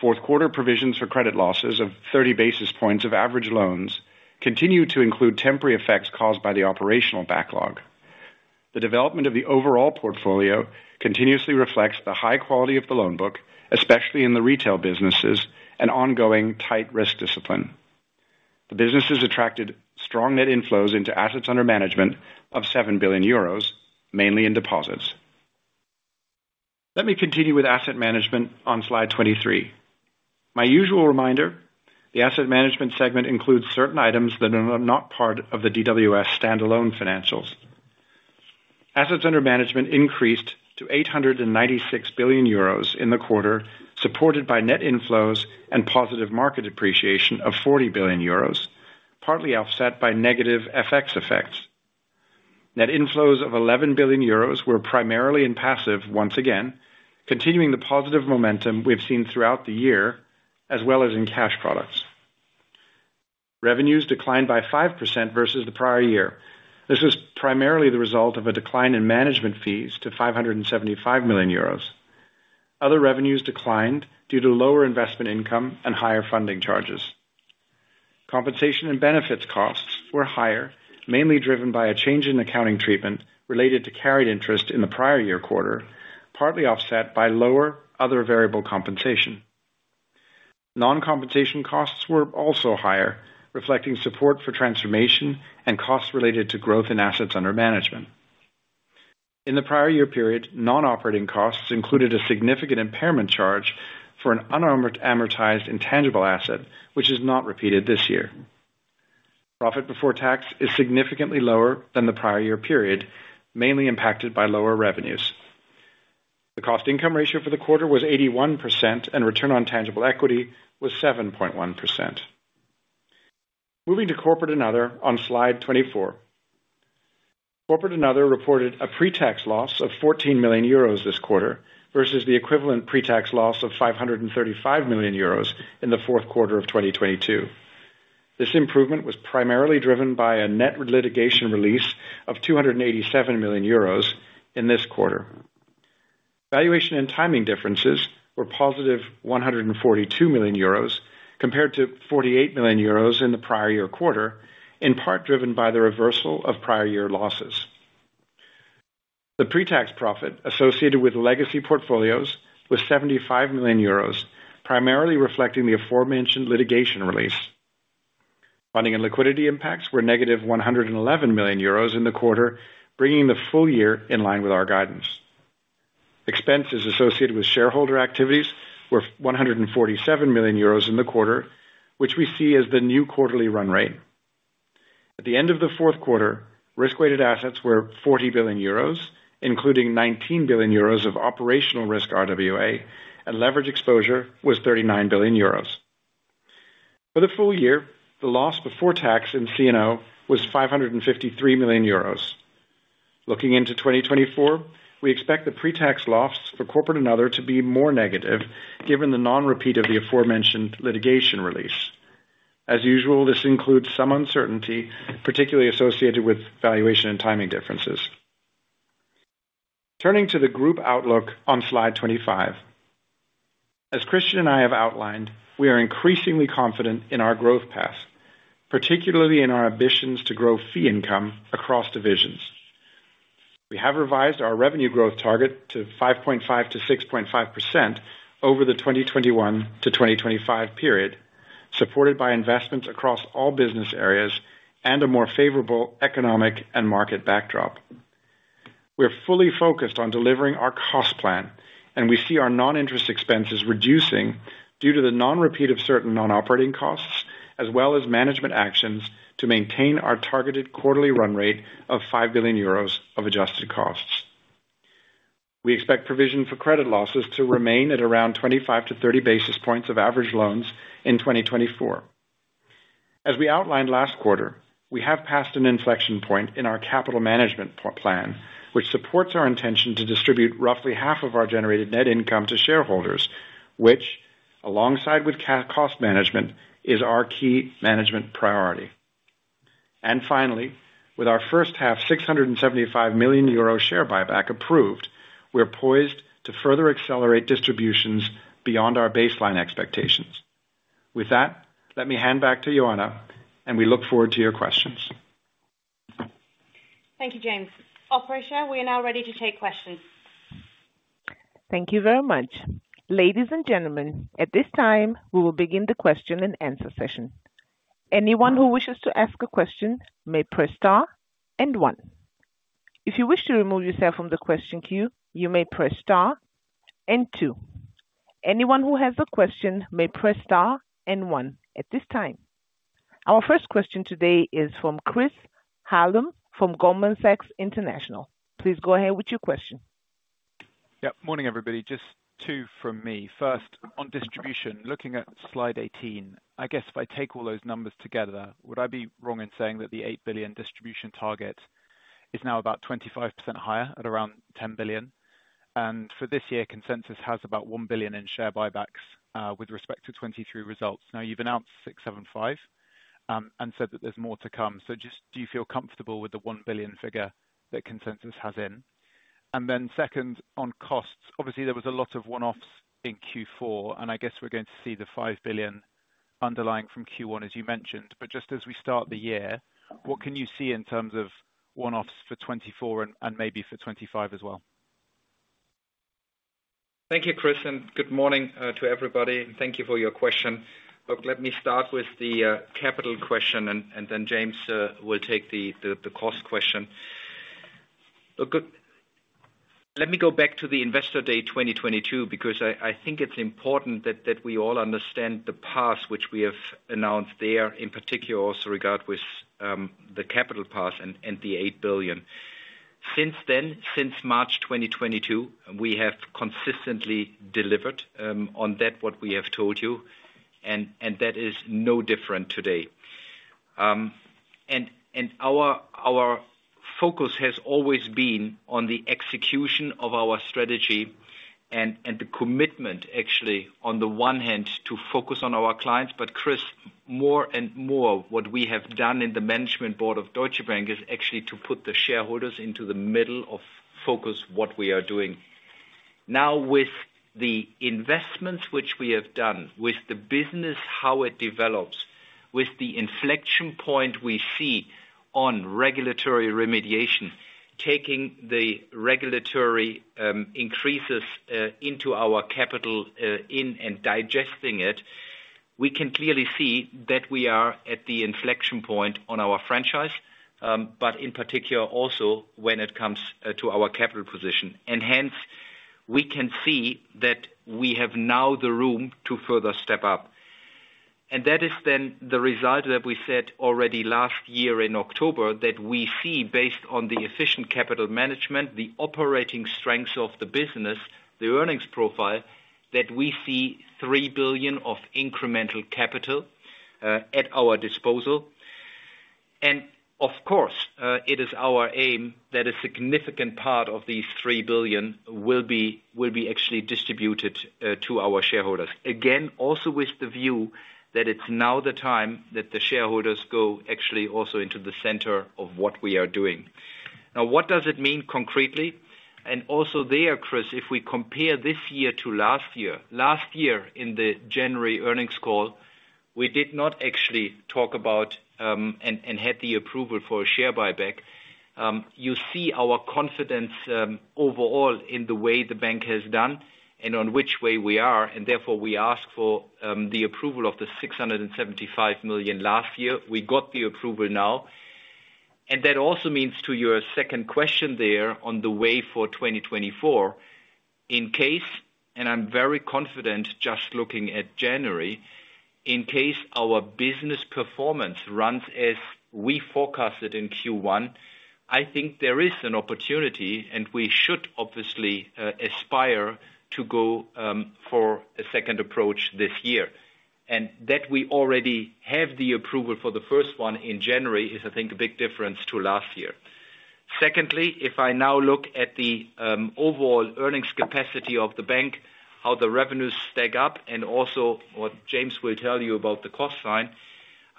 Fourth quarter provisions for credit losses of 30 basis points of average loans continued to include temporary effects caused by the operational backlog. The development of the overall portfolio continuously reflects the high quality of the loan book, especially in the retail businesses, and ongoing tight risk discipline. The businesses attracted strong net inflows into assets under management of 7 billion euros, mainly in deposits. Let me continue with Asset Management on slide 23. My usual reminder, the Asset Management segment includes certain items that are not part of the DWS standalone financials. Assets under management increased to 896 billion euros in the quarter, supported by net inflows and positive market appreciation of 40 billion euros, partly offset by negative FX effects. Net inflows of 11 billion euros were primarily in passive, once again, continuing the positive momentum we've seen throughout the year, as well as in cash products. Revenues declined by 5% versus the prior year. This is primarily the result of a decline in management fees to 575 million euros. Other revenues declined due to lower investment income and higher funding charges. Compensation and benefits costs were higher, mainly driven by a change in accounting treatment related to carried interest in the prior year quarter, partly offset by lower other variable compensation. Non-compensation costs were also higher, reflecting support for transformation and costs related to growth in assets under management. In the prior year period, non-operating costs included a significant impairment charge for an unamortized intangible asset, which is not repeated this year. Profit before tax is significantly lower than the prior year period, mainly impacted by lower revenues. The cost-income ratio for the quarter was 81%, and return on tangible equity was 7.1%. Moving to Corporate and Other on slide 24. Corporate and Other reported a pre-tax loss of 14 million euros this quarter versus the equivalent pre-tax loss of 535 million euros in the fourth quarter of 2022. This improvement was primarily driven by a net litigation release of 287 million euros in this quarter. Valuation and timing differences were positive 142 million euros, compared to 48 million euros in the prior year quarter, in part driven by the reversal of prior year losses. The pre-tax profit associated with legacy portfolios was 75 million euros, primarily reflecting the aforementioned litigation release.... Funding and liquidity impacts were negative 111 million euros in the quarter, bringing the full year in line with our guidance. Expenses associated with shareholder activities were 147 million euros in the quarter, which we see as the new quarterly run rate. At the end of the fourth quarter, risk-weighted assets were 40 billion euros, including 19 billion euros of operational risk RWA, and leverage exposure was 39 billion euros. For the full year, the loss before tax in C&O was 553 million euros. Looking into 2024, we expect the pre-tax losses for Corporate and Other to be more negative, given the non-repeat of the aforementioned litigation release. As usual, this includes some uncertainty, particularly associated with valuation and timing differences. Turning to the group outlook on slide 25. As Christian and I have outlined, we are increasingly confident in our growth path, particularly in our ambitions to grow fee income across divisions. We have revised our revenue growth target to 5.5%-6.5% over the 2021-2025 period, supported by investments across all business areas and a more favorable economic and market backdrop. We are fully focused on delivering our cost plan, and we see our non-interest expenses reducing due to the non-repeat of certain non-operating costs, as well as management actions to maintain our targeted quarterly run rate of 5 billion euros of adjusted costs. We expect provision for credit losses to remain at around 25-30 basis points of average loans in 2024. As we outlined last quarter, we have passed an inflection point in our capital management plan, which supports our intention to distribute roughly half of our generated net income to shareholders, which, alongside with cost management, is our key management priority. And finally, with our first half 675 million euro share buyback approved, we are poised to further accelerate distributions beyond our baseline expectations. With that, let me hand back to Ioana, and we look forward to your questions. Thank you, James. Operator, we are now ready to take questions. Thank you very much. Ladies and gentlemen, at this time, we will begin the question and answer session. Anyone who wishes to ask a question may press star and one. If you wish to remove yourself from the question queue, you may press star and two. Anyone who has a question may press star and one at this time. Our first question today is from Chris Hallam from Goldman Sachs International. Please go ahead with your question. Yeah, morning, everybody. Just two from me. First, on distribution, looking at slide 18, I guess if I take all those numbers together, would I be wrong in saying that the 8 billion distribution target is now about 25% higher at around 10 billion? And for this year, consensus has about 1 billion in share buybacks with respect to 2023 results. Now, you've announced 675, and said that there's more to come. So just do you feel comfortable with the 1 billion figure that consensus has in? And then second, on costs, obviously, there was a lot of one-offs in Q4, and I guess we're going to see the 5 billion underlying from Q1, as you mentioned. But just as we start the year, what can you see in terms of one-offs for 2024 and maybe for 2025 as well? Thank you, Chris, and good morning to everybody, and thank you for your question. Look, let me start with the capital question, and then James will take the cost question. Look, let me go back to the Investor Day 2022, because I think it's important that we all understand the path which we have announced there, in particular, also regard with the capital path and the 8 billion. Since then, since March 2022, we have consistently delivered on that what we have told you, and that is no different today. Our focus has always been on the execution of our strategy and the commitment, actually, on the one hand, to focus on our clients. But Chris, more and more, what we have done in the management board of Deutsche Bank is actually to put the shareholders into the middle of focus what we are doing. Now, with the investments which we have done, with the business how it develops, with the inflection point we see on regulatory remediation, taking the regulatory increases into our capital in and digesting it, we can clearly see that we are at the inflection point on our franchise, but in particular, also when it comes to our capital position, and hence, we can see that we have now the room to further step up. That is then the result that we said already last year in October, that we see based on the efficient capital management, the operating strengths of the business, the earnings profile, that we see 3 billion of incremental capital at our disposal. Of course, it is our aim that a significant part of these 3 billion will be, will be actually distributed to our shareholders. Again, also with the view that it's now the time that the shareholders go actually also into the center of what we are doing. Now, what does it mean concretely? Also there, Chris, if we compare this year to last year, last year in the January earnings call, we did not actually talk about, and, and had the approval for a share buyback. You see our confidence overall in the way the bank has done and on which way we are, and therefore, we ask for the approval of the 675 million last year. We got the approval now, and that also means to your second question there on the way for 2024, in case, and I'm very confident just looking at January, in case our business performance runs as we forecasted in Q1, I think there is an opportunity, and we should obviously aspire to go for a second approach this year. And that we already have the approval for the first one in January is I think a big difference to last year. Secondly, if I now look at the overall earnings capacity of the bank, how the revenues stack up, and also what James will tell you about the cost side,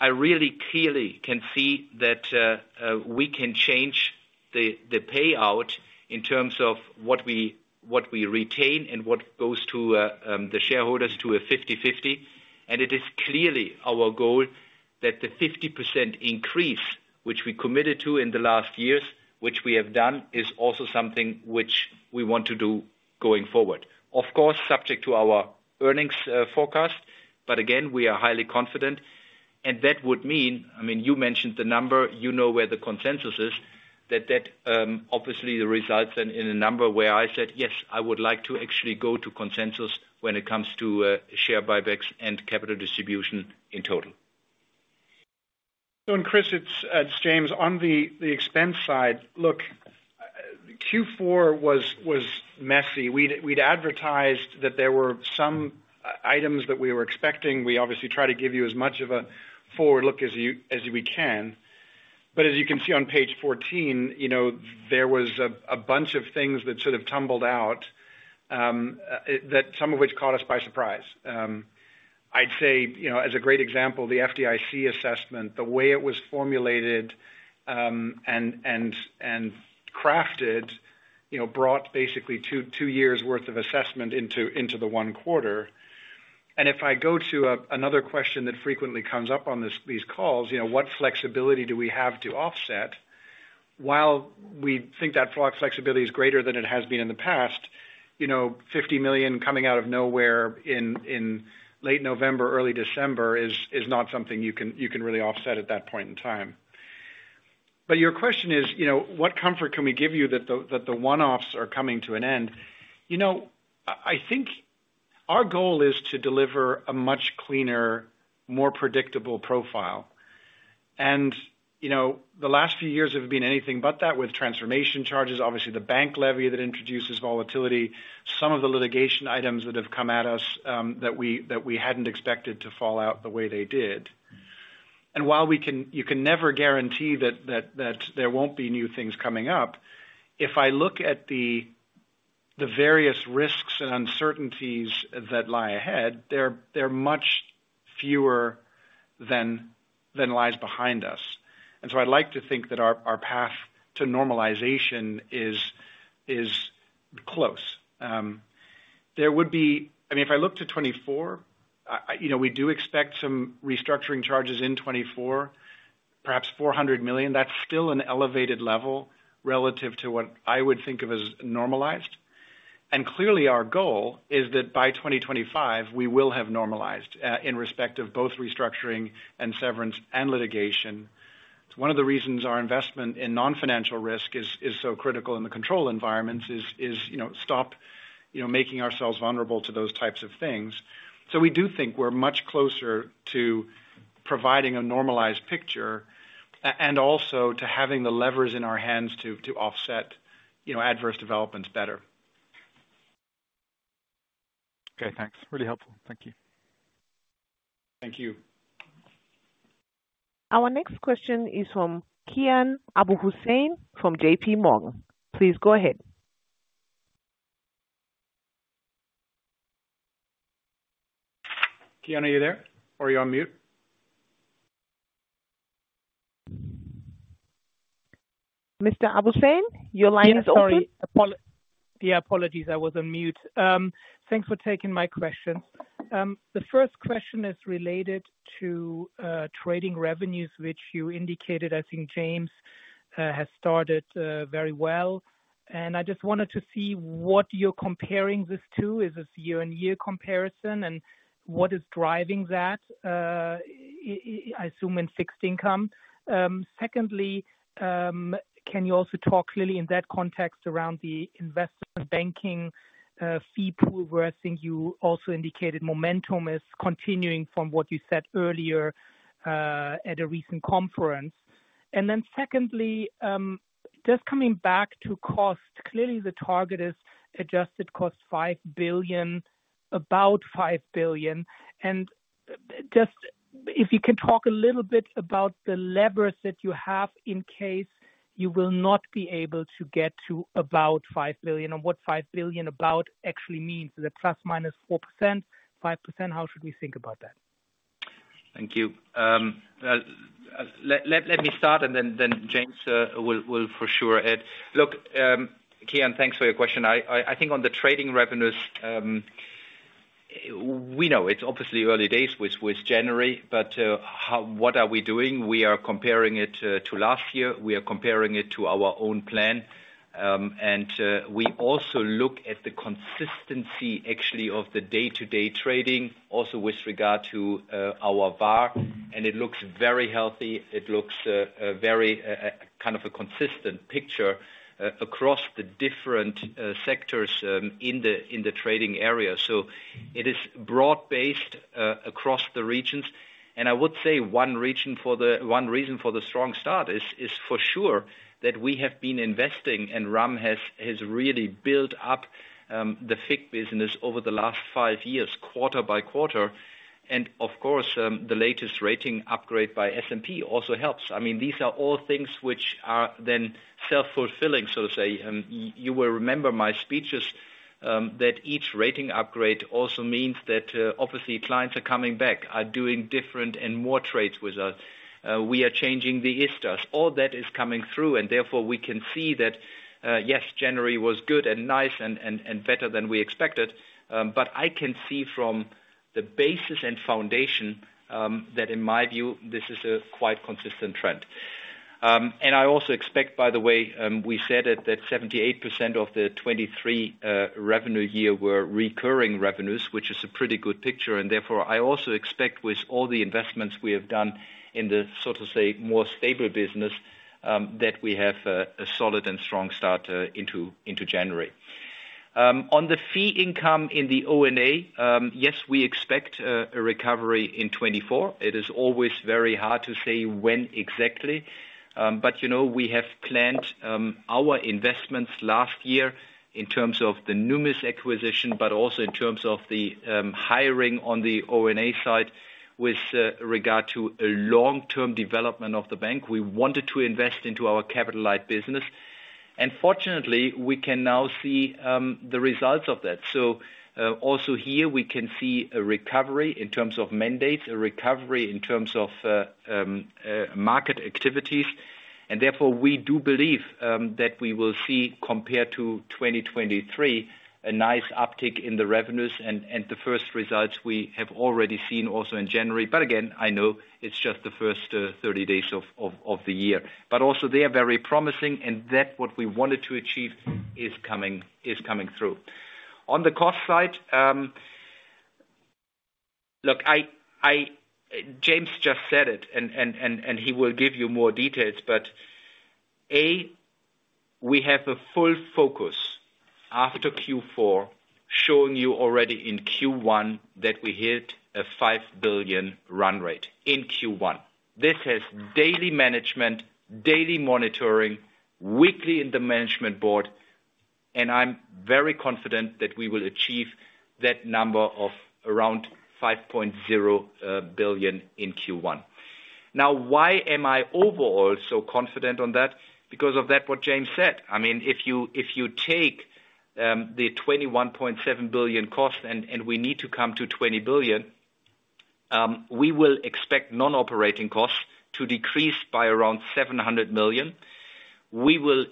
I really clearly can see that we can change the payout in terms of what we retain and what goes to the shareholders to a 50-50. And it is clearly our goal that the 50% increase, which we committed to in the last years, which we have done, is also something which we want to do going forward. Of course, subject to our earnings forecast, but again, we are highly confident. That would mean, I mean, you mentioned the number, you know where the consensus is, that that obviously results in a number where I said, "Yes, I would like to actually go to consensus when it comes to share buybacks and capital distribution in total. So, and Chris, it's James. On the expense side, look, Q4 was messy. We'd advertised that there were some items that we were expecting. We obviously try to give you as much of a forward look as we can. But as you can see on page 14, you know, there was a bunch of things that sort of tumbled out, that some of which caught us by surprise. I'd say, you know, as a great example, the FDIC assessment, the way it was formulated and crafted, you know, brought basically two years' worth of assessment into the one quarter. And if I go to another question that frequently comes up on these calls, you know, what flexibility do we have to offset? While we think that flexibility is greater than it has been in the past, you know, 50 million coming out of nowhere in late November, early December, is not something you can really offset at that point in time. But your question is, you know, what comfort can we give you that the one-offs are coming to an end? You know, I think our goal is to deliver a much cleaner, more predictable profile. And, you know, the last few years have been anything but that, with transformation charges, obviously the bank levy that introduces volatility, some of the litigation items that have come at us, that we hadn't expected to fall out the way they did. While we can, you can never guarantee that there won't be new things coming up. If I look at the various risks and uncertainties that lie ahead, they're much fewer than lies behind us. And so I'd like to think that our path to normalization is close. There would be... I mean, if I look to 2024, you know, we do expect some restructuring charges in 2024, perhaps 400 million. That's still an elevated level relative to what I would think of as normalized. And clearly, our goal is that by 2025, we will have normalized in respect of both restructuring and severance and litigation. It's one of the reasons our investment in non-financial risk is so critical in the control environments, you know, stop, you know, making ourselves vulnerable to those types of things. So we do think we're much closer to providing a normalized picture, and also to having the levers in our hands to offset, you know, adverse developments better. Okay, thanks. Really helpful. Thank you. Thank you. Our next question is from Kian Abouhossein, from JPMorgan. Please go ahead. Kian, are you there, or are you on mute? Mr. Abouhossein, your line is open. Yeah, sorry. Yeah, apologies, I was on mute. Thanks for taking my question. The first question is related to trading revenues, which you indicated, I think James, has started very well. And I just wanted to see what you're comparing this to. Is this year-on-year comparison, and what is driving that, I assume in fixed income? Secondly, can you also talk clearly in that context around the investment banking fee pool, where I think you also indicated momentum is continuing from what you said earlier at a recent conference? And then secondly, just coming back to cost. Clearly, the target is adjusted cost 5 billion, about 5 billion. Just if you can talk a little bit about the levers that you have in case you will not be able to get to about 5 billion, and what five billion about actually means, is it ±4%, 5%? How should we think about that? Thank you. Let me start and then James will for sure add. Look, Kian, thanks for your question. I think on the trading revenues—We know it's obviously early days with January, but, how—what are we doing? We are comparing it to last year. We are comparing it to our own plan. We also look at the consistency, actually, of the day-to-day trading, also with regard to our VAR, and it looks very healthy. It looks a very kind of a consistent picture across the different sectors in the trading area. So it is broad-based, across the regions, and I would say one reason for the strong start is for sure that we have been investing, and Ram has really built up the FIC business over the last five years, quarter by quarter. And of course, the latest rating upgrade by S&P also helps. I mean, these are all things which are then self-fulfilling, so to say. You will remember my speeches, that each rating upgrade also means that, obviously, clients are coming back, are doing different and more trades with us. We are changing the ISDAs. All that is coming through, and therefore, we can see that, yes, January was good and nice and better than we expected, but I can see from the basis and foundation, that in my view, this is a quite consistent trend. I also expect, by the way, we said that 78% of the 2023 revenues were recurring revenues, which is a pretty good picture, and therefore, I also expect with all the investments we have done in the, so to say, more stable business, that we have a solid and strong start into January. On the fee income in the O&A, yes, we expect a recovery in 2024. It is always very hard to say when exactly, but you know, we have planned our investments last year in terms of the Numis acquisition, but also in terms of the hiring on the O&A side with regard to a long-term development of the bank. We wanted to invest into our capital markets business, and fortunately, we can now see the results of that. So, also here, we can see a recovery in terms of mandates, a recovery in terms of market activities, and therefore, we do believe that we will see, compared to 2023, a nice uptick in the revenues and the first results we have already seen also in January. But again, I know it's just the first 30 days of the year. But also, they are very promising, and that what we wanted to achieve is coming, is coming through. On the cost side, look, James just said it, and he will give you more details, but a, we have a full focus after Q4, showing you already in Q1 that we hit a 5 billion run rate in Q1. This has daily management, daily monitoring, weekly in the management board, and I'm very confident that we will achieve that number of around 5.0 billion in Q1. Now, why am I overall so confident on that? Because of that, what James said. I mean, if you, if you take, the 21.7 billion cost and we need to come to 20 billion, we will expect non-operating costs to decrease by around 700 million. We will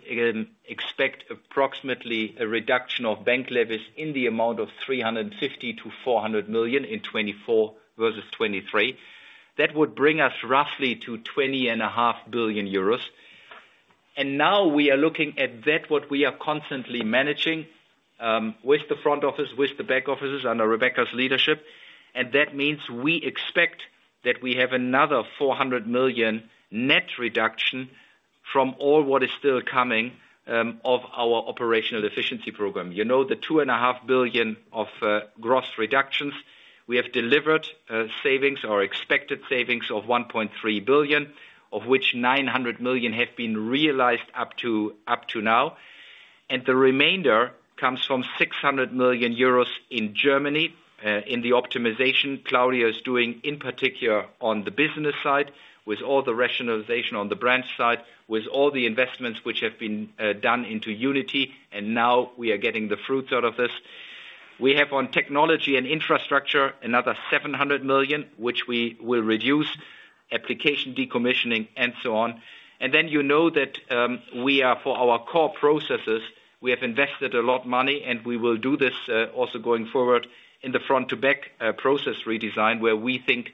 expect approximately a reduction of bank levies in the amount of 350 million-400 million in 2024 versus 2023. That would bring us roughly to 20.5 billion euros. And now we are looking at that, what we are constantly managing, with the front office, with the back offices under Rebecca's leadership, and that means we expect that we have another 400 million net reduction from all what is still coming, of our operational efficiency program. You know, the 2.5 billion of gross reductions, we have delivered, savings or expected savings of 1.3 billion, of which 900 million have been realized up to now. The remainder comes from 600 million euros in Germany, in the optimization Claudio is doing, in particular on the business side, with all the rationalization on the branch side, with all the investments which have been done into Unity, and now we are getting the fruits out of this. We have on technology and infrastructure, another 700 million, which we will reduce application decommissioning and so on. Then you know that we are for our core processes, we have invested a lot money, and we will do this also going forward in the front-to-back process redesign, where we think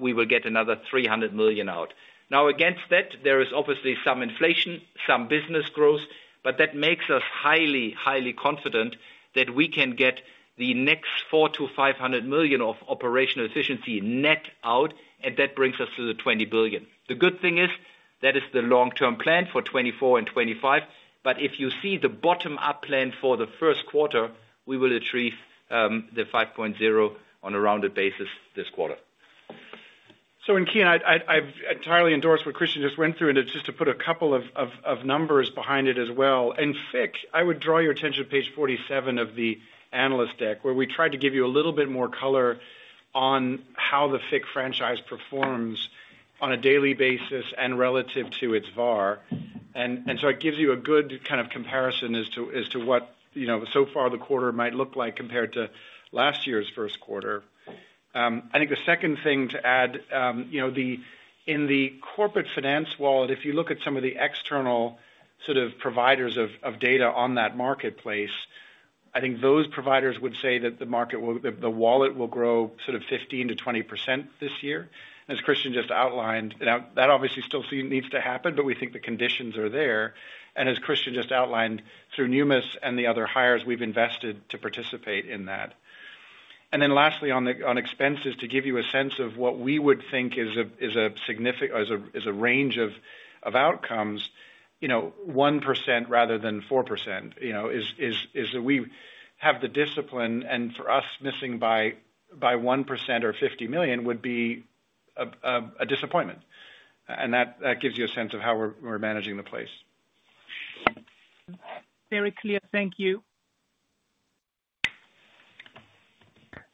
we will get another 300 million out. Now, against that, there is obviously some inflation, some business growth, but that makes us highly, highly confident that we can get the next 400 million-500 million of operational efficiency net out, and that brings us to the 20 billion. The good thing is that is the long-term plan for 2024 and 2025, but if you see the bottom-up plan for the first quarter, we will achieve the 5.0 on a rounded basis this quarter. So in keeping, I entirely endorse what Christian just went through, and it's just to put a couple of numbers behind it as well. In FIC, I would draw your attention to page 47 of the analyst deck, where we tried to give you a little bit more color on how the FIC franchise performs on a daily basis and relative to its VAR. And so it gives you a good kind of comparison as to what, you know, so far the quarter might look like compared to last year's first quarter. I think the second thing to add, you know, the-- in the corporate finance world, if you look at some of the external sort of providers of data on that marketplace-... I think those providers would say that the market will—that the wallet will grow sort of 15%-20% this year. As Christian just outlined, now, that obviously still needs to happen, but we think the conditions are there, and as Christian just outlined, through Numis and the other hires, we've invested to participate in that. And then lastly, on, on expenses, to give you a sense of what we would think is a, is a significant—is a, is a range of, of outcomes, you know, 1% rather than 4%, you know, is, is, is that we have the discipline, and for us, missing by, by 1% or 50 million would be a, a, a disappointment. And that, that gives you a sense of how we're, we're managing the place. Very clear. Thank you.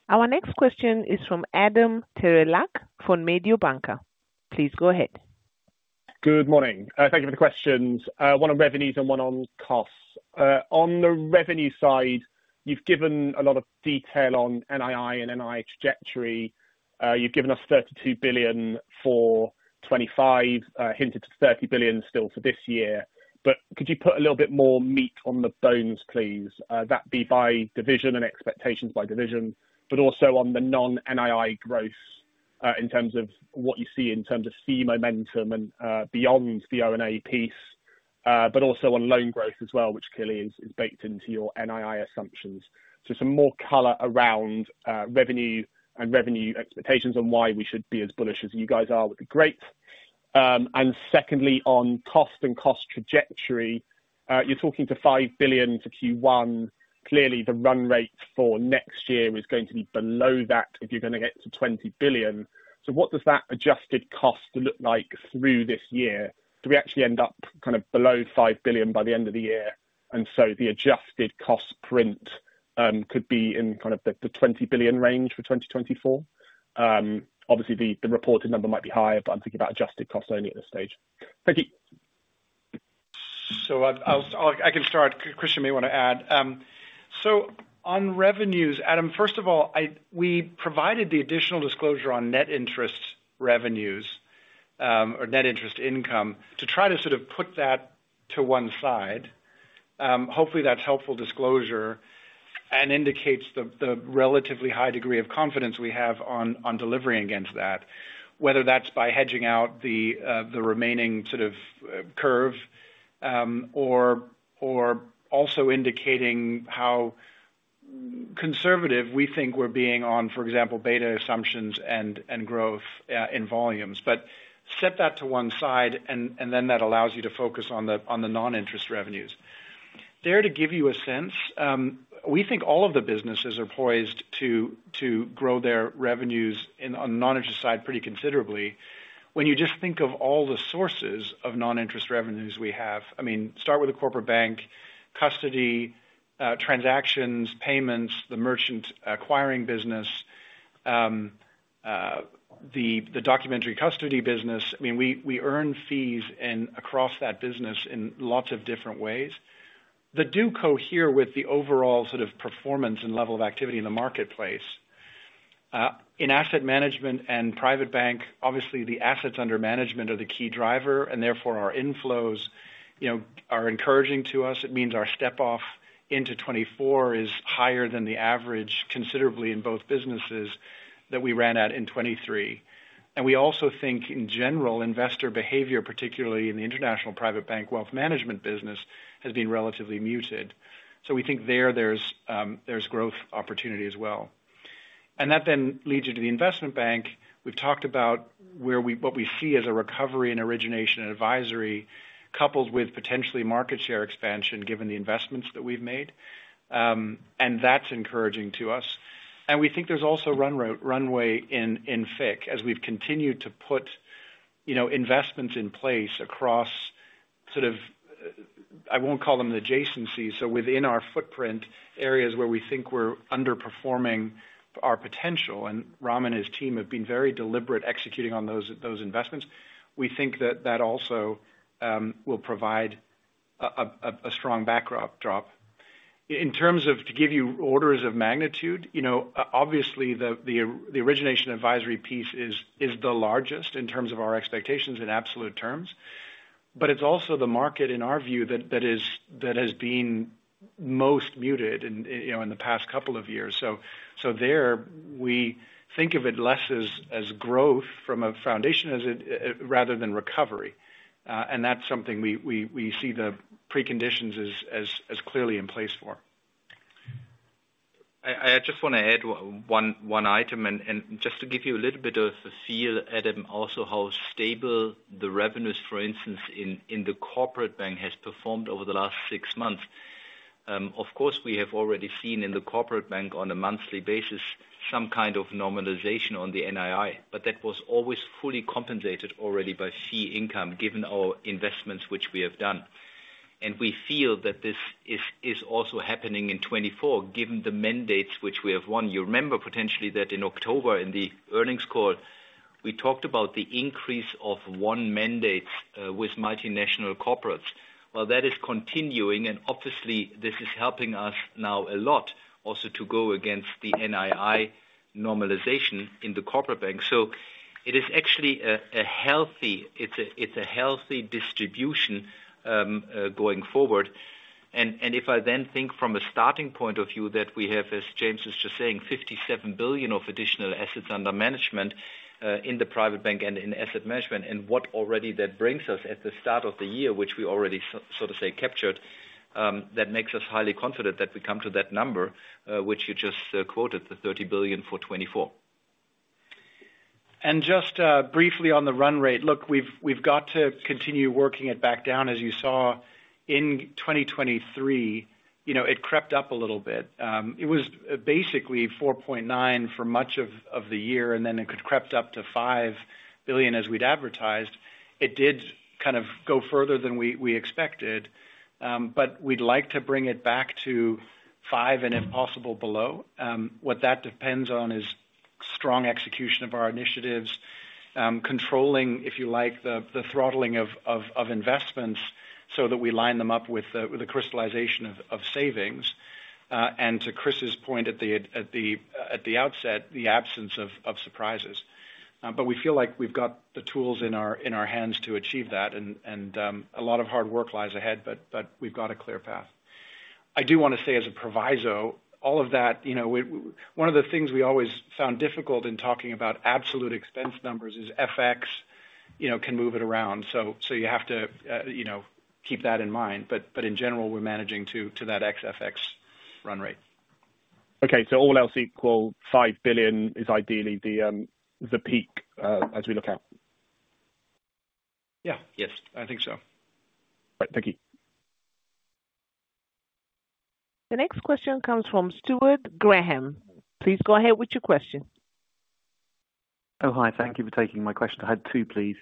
Our next question is from Adam Terelak for Mediobanca. Please go ahead. Good morning. Thank you for the questions. One on revenues and one on costs. On the revenue side, you've given a lot of detail on NII and NII trajectory. You've given us 32 billion for 2025, hinted to 30 billion still for this year. But could you put a little bit more meat on the bones, please? That be by division and expectations by division, but also on the non-NII growth, in terms of what you see in terms of fee momentum and, beyond the O&A piece, but also on loan growth as well, which clearly is baked into your NII assumptions. So some more color around revenue and revenue expectations on why we should be as bullish as you guys are would be great. And secondly, on cost and cost trajectory, you're talking to 5 billion for Q1. Clearly, the run rate for next year is going to be below that if you're gonna get to 20 billion. So what does that adjusted cost look like through this year? Do we actually end up kind of below 5 billion by the end of the year, and so the adjusted cost print could be in kind of the, the 20 billion range for 2024? Obviously, the, the reported number might be higher, but I'm thinking about adjusted costs only at this stage. Thank you. So, I'll start. Christian may want to add. So on revenues, Adam, first of all, I—we provided the additional disclosure on net interest revenues, or net interest income, to try to sort of put that to one side. Hopefully, that's helpful disclosure and indicates the, the relatively high degree of confidence we have on, on delivering against that, whether that's by hedging out the, the remaining sort of, curve, or, or also indicating how conservative we think we're being on, for example, beta assumptions and, and growth, in volumes. But set that to one side, and, and then that allows you to focus on the, on the non-interest revenues. There, to give you a sense, we think all of the businesses are poised to, to grow their revenues in, on the non-interest side pretty considerably. When you just think of all the sources of non-interest revenues we have, I mean, start with the Corporate Bank, custody, transactions, payments, the merchant acquiring business, the documentary custody business. I mean, we earn fees and across that business in lots of different ways that do cohere with the overall sort of performance and level of activity in the marketplace. In Asset Management and Private Bank, obviously, the assets under management are the key driver, and therefore, our inflows, you know, are encouraging to us. It means our step-off into 2024 is higher than the average, considerably in both businesses that we ran at in 2023. And we also think, in general, investor behavior, particularly in International Private Bank Wealth Management business, has been relatively muted. So we think there's growth opportunity as well. And that then leads you to the Investment Bank. We've talked about what we see as a recovery in Origination & Advisory, coupled with potentially market share expansion, given the investments that we've made. And that's encouraging to us. And we think there's also runway in FIC, as we've continued to put, you know, investments in place across sort of... I won't call them adjacencies, so within our footprint areas where we think we're underperforming our potential, and Ram and his team have been very deliberate executing on those investments. We think that also will provide a strong backdrop, drop. In terms of to give you orders of magnitude, you know, obviously, the Origination & Advisory piece is the largest in terms of our expectations in absolute terms, but it's also the market, in our view, that has been most muted in, you know, in the past couple of years. So there we think of it less as growth from a foundation as it rather than recovery. And that's something we see the preconditions as clearly in place for. I just want to add one item, and just to give you a little bit of a feel, Adam, also, how stable the revenues, for instance, in the Corporate Bank, has performed over the last six months. Of course, we have already seen in the Corporate Bank, on a monthly basis, some kind of normalization on the NII, but that was always fully compensated already by fee income, given our investments which we have done. And we feel that this is also happening in 2024, given the mandates which we have won. You remember potentially that in October, in the earnings call, we talked about the increase of won mandates with multinational corporates. Well, that is continuing, and obviously, this is helping us now a lot... also to go against the NII normalization in the Corporate Bank. So it is actually a healthy, it's a healthy distribution, going forward. And if I then think from a starting point of view that we have, as James was just saying, 57 billion of additional assets under management, in the Private Bank and in Asset Management, and what already that brings us at the start of the year, which we already so, so to say, captured, that makes us highly confident that we come to that number, which you just quoted, the 30 billion for 2024. Just briefly on the run rate. Look, we've got to continue working it back down. As you saw in 2023, you know, it crept up a little bit. It was basically 4.9 billion for much of the year, and then it crept up to 5 billion as we'd advertised. It did kind of go further than we expected, but we'd like to bring it back to 5 billion, and if possible, below. What that depends on is strong execution of our initiatives, controlling, if you like, the throttling of investments so that we line them up with the crystallization of savings. And to Chris's point at the outset, the absence of surprises. But we feel like we've got the tools in our, in our hands to achieve that, and a lot of hard work lies ahead, but we've got a clear path. I do wanna say as a proviso, all of that, you know, one of the things we always found difficult in talking about absolute expense numbers is FX, you know, can move it around. So you have to, you know, keep that in mind, but in general, we're managing to that ex FX run rate. Okay, so all else equal, 5 billion is ideally the peak, as we look out? Yeah. Yes, I think so. Right. Thank you. The next question comes from Stuart Graham. Please go ahead with your question. Oh, hi. Thank you for taking my question. I had two, please.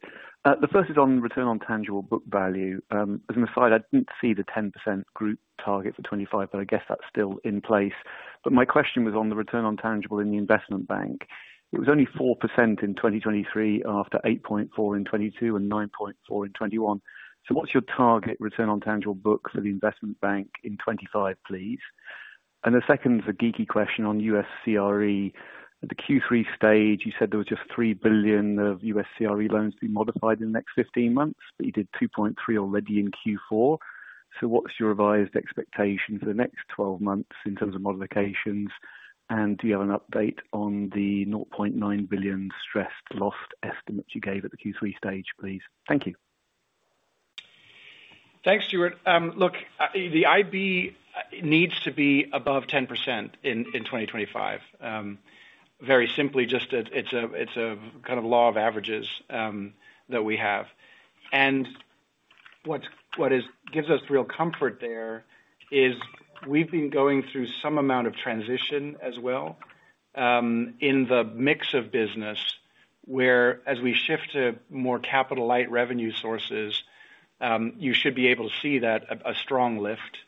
The first is on return on tangible book value. As an aside, I didn't see the 10% group target for 25, but I guess that's still in place. But my question was on the return on tangible in the Investment Bank. It was only 4% in 2023, after 8.4 in 2022 and 9.4 in 2021. So what's your target return on tangible books for the Investment Bank in 2025, please? And the second is a geeky question on U.S. CRE. At the Q3 stage, you said there was just $3 billion of U.S. CRE loans to be modified in the next 15 months, but you did $2.3 already in Q4. So what's your revised expectation for the next 12 months in terms of modifications? Do you have an update on the 0.9 billion stressed loss estimate you gave at the Q3 stage, please? Thank you. Thanks, Stuart. Look, the IB needs to be above 10% in 2025. Very simply, just that it's a kind of law of averages that we have. And what gives us real comfort there is we've been going through some amount of transition as well in the mix of business, whereas we shift to more capital light revenue sources, you should be able to see that a strong lift.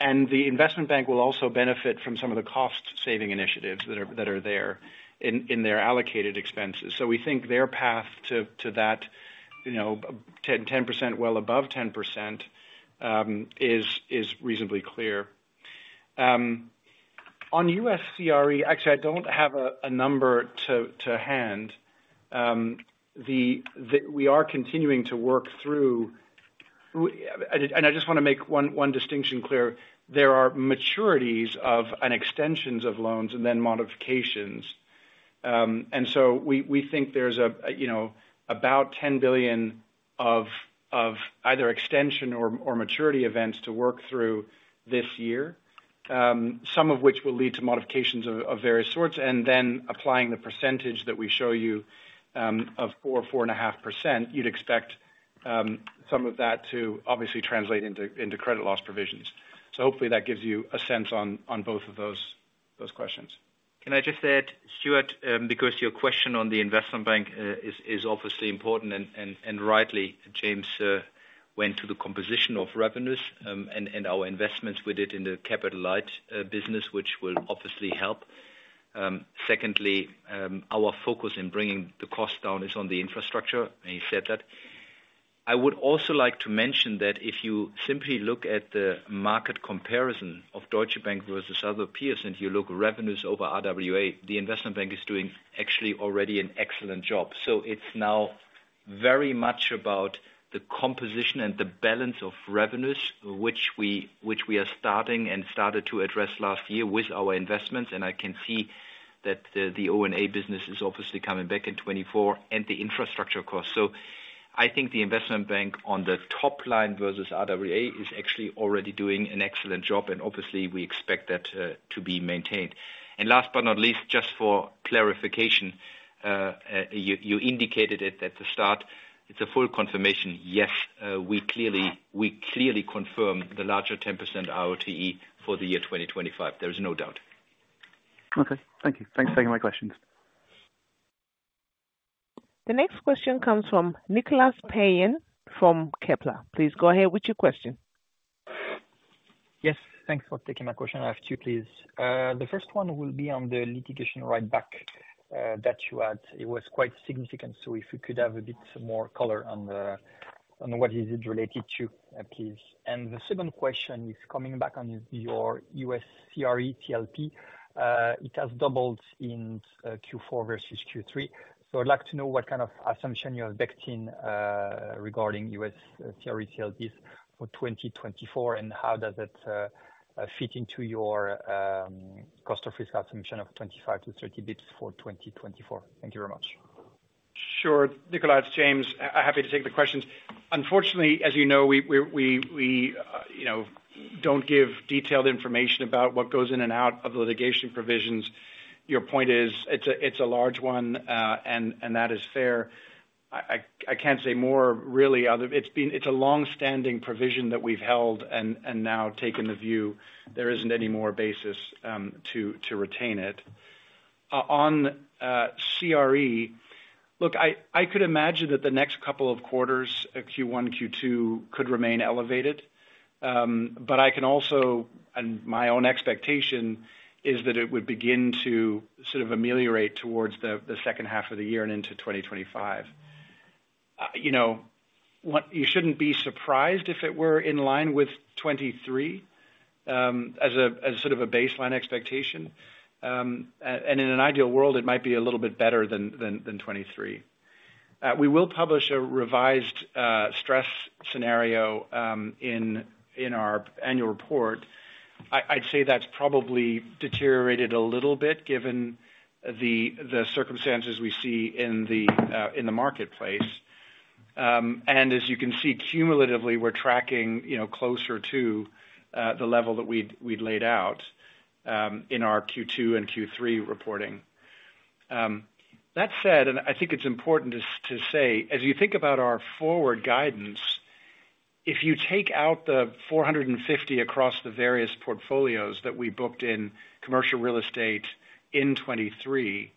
And the Investment Bank will also benefit from some of the cost-saving initiatives that are there in their allocated expenses. So we think their path to that, you know, 10%, well above 10%, is reasonably clear. On U.S. CRE, actually, I don't have a number to hand. We are continuing to work through... And I just want to make one distinction clear. There are maturities and extensions of loans and then modifications. And so we think there's, you know, about 10 billion of either extension or maturity events to work through this year, some of which will lead to modifications of various sorts, and then applying the percentage that we show you of 4%-4.5%, you'd expect some of that to obviously translate into credit loss provisions. So hopefully that gives you a sense on both of those questions. Can I just add, Stuart, because your question on the Investment Bank is obviously important, and rightly, James, went to the composition of revenues, and our investments with it in the capital light business, which will obviously help. Secondly, our focus in bringing the cost down is on the infrastructure, and he said that. I would also like to mention that if you simply look at the market comparison of Deutsche Bank versus other peers, and you look revenues over RWA, the Investment Bank is doing actually already an excellent job. So it's now very much about the composition and the balance of revenues, which we are starting and started to address last year with our investments. And I can see that the O&A business is obviously coming back in 2024 and the infrastructure costs. So I think the Investment Bank on the top line versus RWA is actually already doing an excellent job, and obviously we expect that, to be maintained. And last but not least, just for clarification, you indicated it at the start. It's a full confirmation, yes, we clearly confirm the larger 10% ROTE for the year 2025. There is no doubt. Okay, thank you. Thanks for taking my questions. The next question comes from Nicolas Payen from Kepler. Please go ahead with your question. Yes, thanks for taking my question. I have two, please. The first one will be on the litigation write back, that you had, it was quite significant. So if you could have a bit more color on the, on what is it related to, please? And the second question is coming back on your U.S. CRE CLP. It has doubled in, Q4 versus Q3. So I'd like to know what kind of assumption you have backed in, regarding U.S. CRE CLPs for 2024, and how does it fit into your, cost of risk assumption of 25-30 basis points for 2024? Thank you very much. Sure. Nicolas, James, happy to take the questions. Unfortunately, as you know, we, you know, don't give detailed information about what goes in and out of litigation provisions. Your point is, it's a large one, and that is fair. I can't say more really, otherwise it's been a long-standing provision that we've held and now taken the view there isn't any more basis to retain it. On CRE, look, I could imagine that the next couple of quarters, Q1, Q2, could remain elevated. But I can also, and my own expectation, is that it would begin to sort of ameliorate towards the second half of the year and into 2025. You know, what you shouldn't be surprised if it were in line with 2023, as a, as sort of a baseline expectation. And in an ideal world, it might be a little bit better than, than, than 2023. We will publish a revised, stress scenario, in, in our annual report. I'd say that's probably deteriorated a little bit given the, the circumstances we see in the, in the marketplace. And as you can see, cumulatively, we're tracking, you know, closer to, the level that we'd, we'd laid out, in our Q2 and Q3 reporting. That said, I think it's important to say, as you think about our forward guidance, if you take out the 450 million across the various portfolios that we booked in commercial real estate in 2023,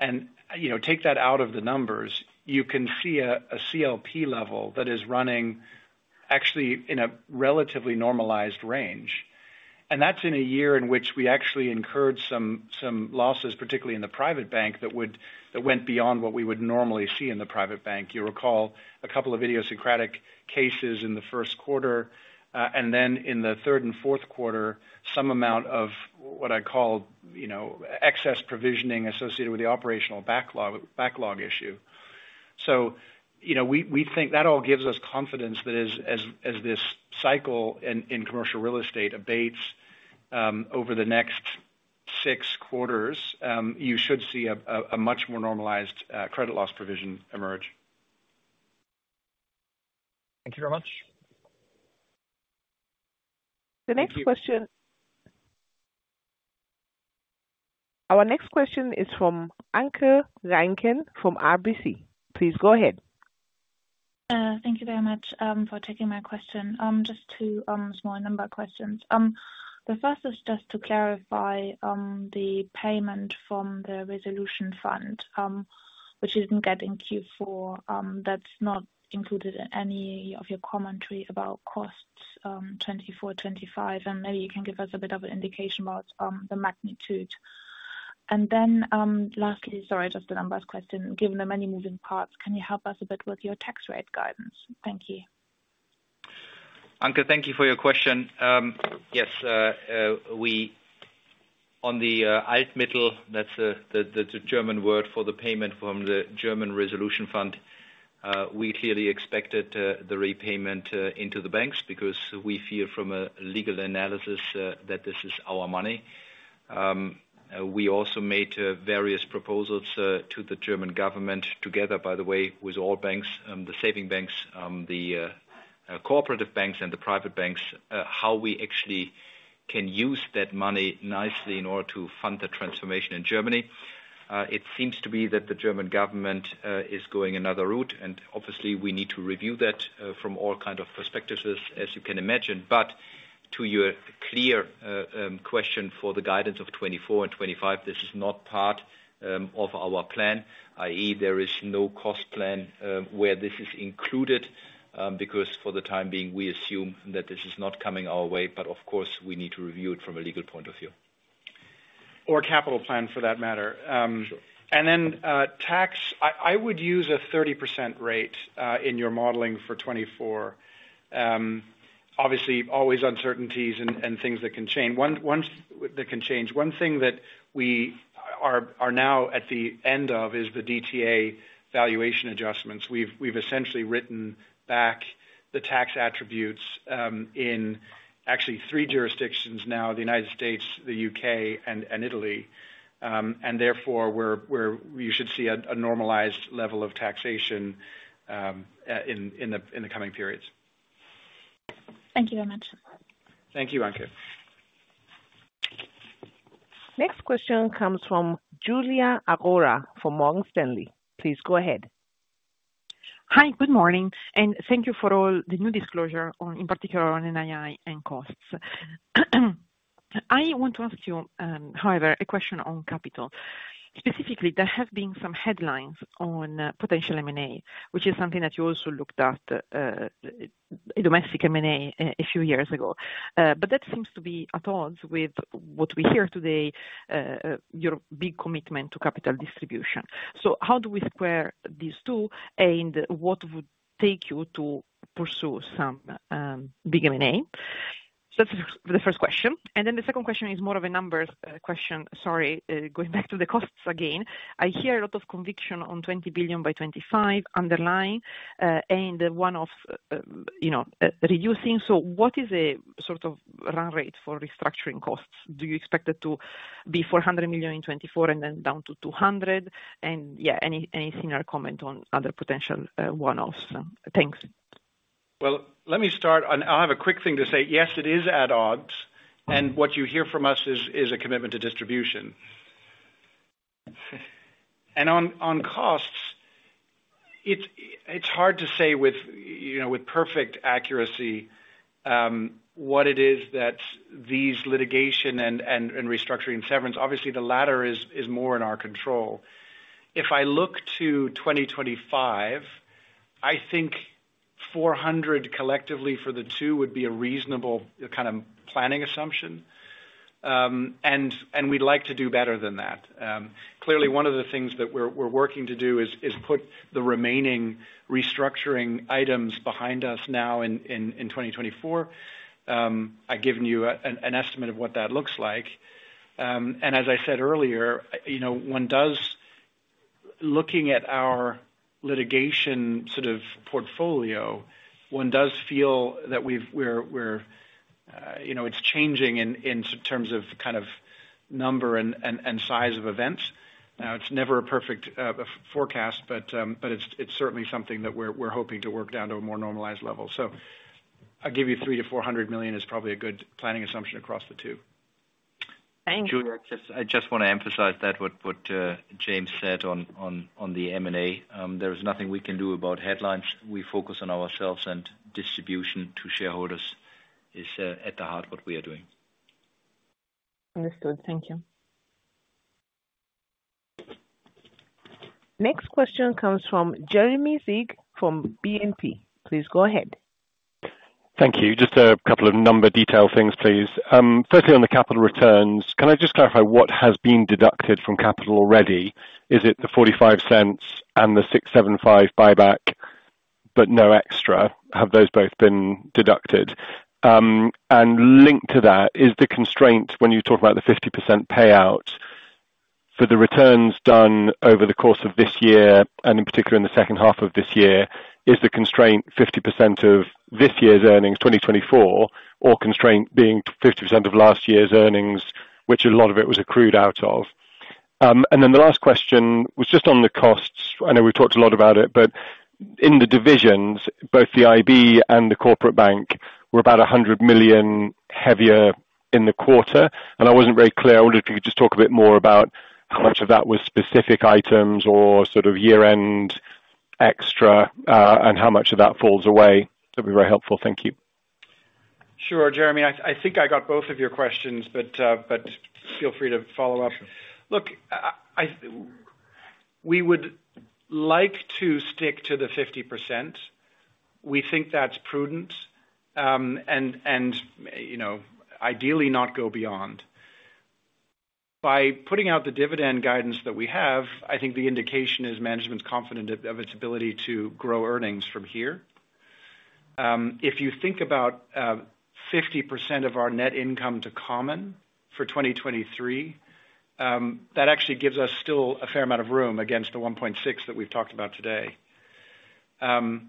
and, you know, take that out of the numbers, you can see a CLP level that is running actually in a relatively normalized range. And that's in a year in which we actually incurred some losses, particularly in the Private Bank, that went beyond what we would normally see in the Private Bank. You recall a couple of idiosyncratic cases in the first quarter, and then in the third and fourth quarter, some amount of what I call, you know, excess provisioning associated with the operational backlog issue. So, you know, we think that all gives us confidence that as this cycle in commercial real estate abates, over the next six quarters, you should see a much more normalized credit loss provision emerge. Thank you very much. The next question- Thank you. Our next question is from Anke Reingen from RBC. Please go ahead. Thank you very much for taking my question. Just two small number questions. The first is just to clarify the payment from the resolution fund, which you didn't get in Q4. That's not included in any of your commentary about costs, 2024, 2025, and maybe you can give us a bit of an indication about the magnitude. And then, lastly, sorry, just the numbers question: Given the many moving parts, can you help us a bit with your tax rate guidance? Thank you. Anke, thank you for your question. Yes, that's the German word for the payment from the German Resolution Fund. We clearly expected the repayment into the banks, because we feel from a legal analysis that this is our money. We also made various proposals to the German government together, by the way, with all banks, the savings banks, the cooperative banks and the private banks, how we actually can use that money nicely in order to fund the transformation in Germany. It seems to be that the German government is going another route, and obviously we need to review that from all kinds of perspectives, as you can imagine. But to your clear question for the guidance of 2024 and 2025, this is not part of our plan, i.e., there is no cost plan where this is included, because for the time being, we assume that this is not coming our way, but of course, we need to review it from a legal point of view. Or capital plan for that matter. Sure. And then, tax, I would use a 30% rate in your modeling for 2024. Obviously, always uncertainties and things that can change. One thing that can change. One thing that we are now at the end of is the DTA valuation adjustments. We've essentially written back the tax attributes in actually three jurisdictions now, the United States, the U.K., and Italy. And therefore, we're you should see a normalized level of taxation in the coming periods. Thank you very much. Thank you, Anke. Next question comes from Giulia Aurora from Morgan Stanley. Please go ahead. Hi, good morning, and thank you for all the new disclosure on, in particular on NII and costs. I want to ask you, however, a question on capital. Specifically, there have been some headlines on potential M&A, which is something that you also looked at, a domestic M&A, a few years ago. But that seems to be at odds with what we hear today, your big commitment to capital distribution. So how do we square these two, and what would take you to pursue some big M&A? That's the first question. And then the second question is more of a numbers question. Sorry, going back to the costs again. I hear a lot of conviction on 20 billion by 2025 underlying, and one of, you know, reducing. So what is a sort of run rate for restructuring costs? Do you expect it to be 400 million in 2024, and then down to 200 million? And yeah, anything or comment on other potential one-offs. So, thanks. Well, let me start, and I'll have a quick thing to say. Yes, it is at odds, and what you hear from us is a commitment to distribution. On costs, it's hard to say with, you know, with perfect accuracy, what it is that these litigation and restructuring severance, obviously the latter is more in our control. If I look to 2025, I think 400 collectively for the two would be a reasonable kind of planning assumption. We'd like to do better than that. Clearly, one of the things that we're working to do is put the remaining restructuring items behind us now in 2024. I've given you an estimate of what that looks like. And as I said earlier, you know, one does—looking at our litigation sort of portfolio, one does feel that we're, you know, it's changing in terms of kind of number and size of events. Now, it's never a perfect forecast, but it's certainly something that we're hoping to work down to a more normalized level. So I'll give you 300 million-400 million is probably a good planning assumption across the two. Thank you. Julia, I just want to emphasize that what James said on the M&A. There is nothing we can do about headlines. We focus on ourselves, and distribution to shareholders is at the heart of what we are doing. Understood. Thank you. Next question comes from Jeremy Sigee, from BNP. Please go ahead. Thank you. Just a couple of number detail things, please. Firstly, on the capital returns, can I just clarify what has been deducted from capital already? Is it the 0.45 and the 6.75 buyback, but no extra? Have those both been deducted? And linked to that, is the constraint when you talk about the 50% payout for the returns done over the course of this year, and in particular in the second half of this year, is the constraint 50% of this year's earnings, 2024, or constraint being 50% of last year's earnings, which a lot of it was accrued out of? And then the last question was just on the costs. I know we've talked a lot about it, but in the divisions, both the IB and the Corporate Bank were about 100 million heavier in the quarter, and I wasn't very clear. I wonder if you could just talk a bit more about how much of that was specific items or sort of year-end extra, and how much of that falls away. That'd be very helpful. Thank you. Sure, Jeremy. I think I got both of your questions, but feel free to follow up. Look, We would like to stick to the 50%. We think that's prudent, and, you know, ideally not go beyond. By putting out the dividend guidance that we have, I think the indication is management's confident of its ability to grow earnings from here. If you think about 50% of our net income to common for 2023, that actually gives us still a fair amount of room against the 1.6 that we've talked about today. To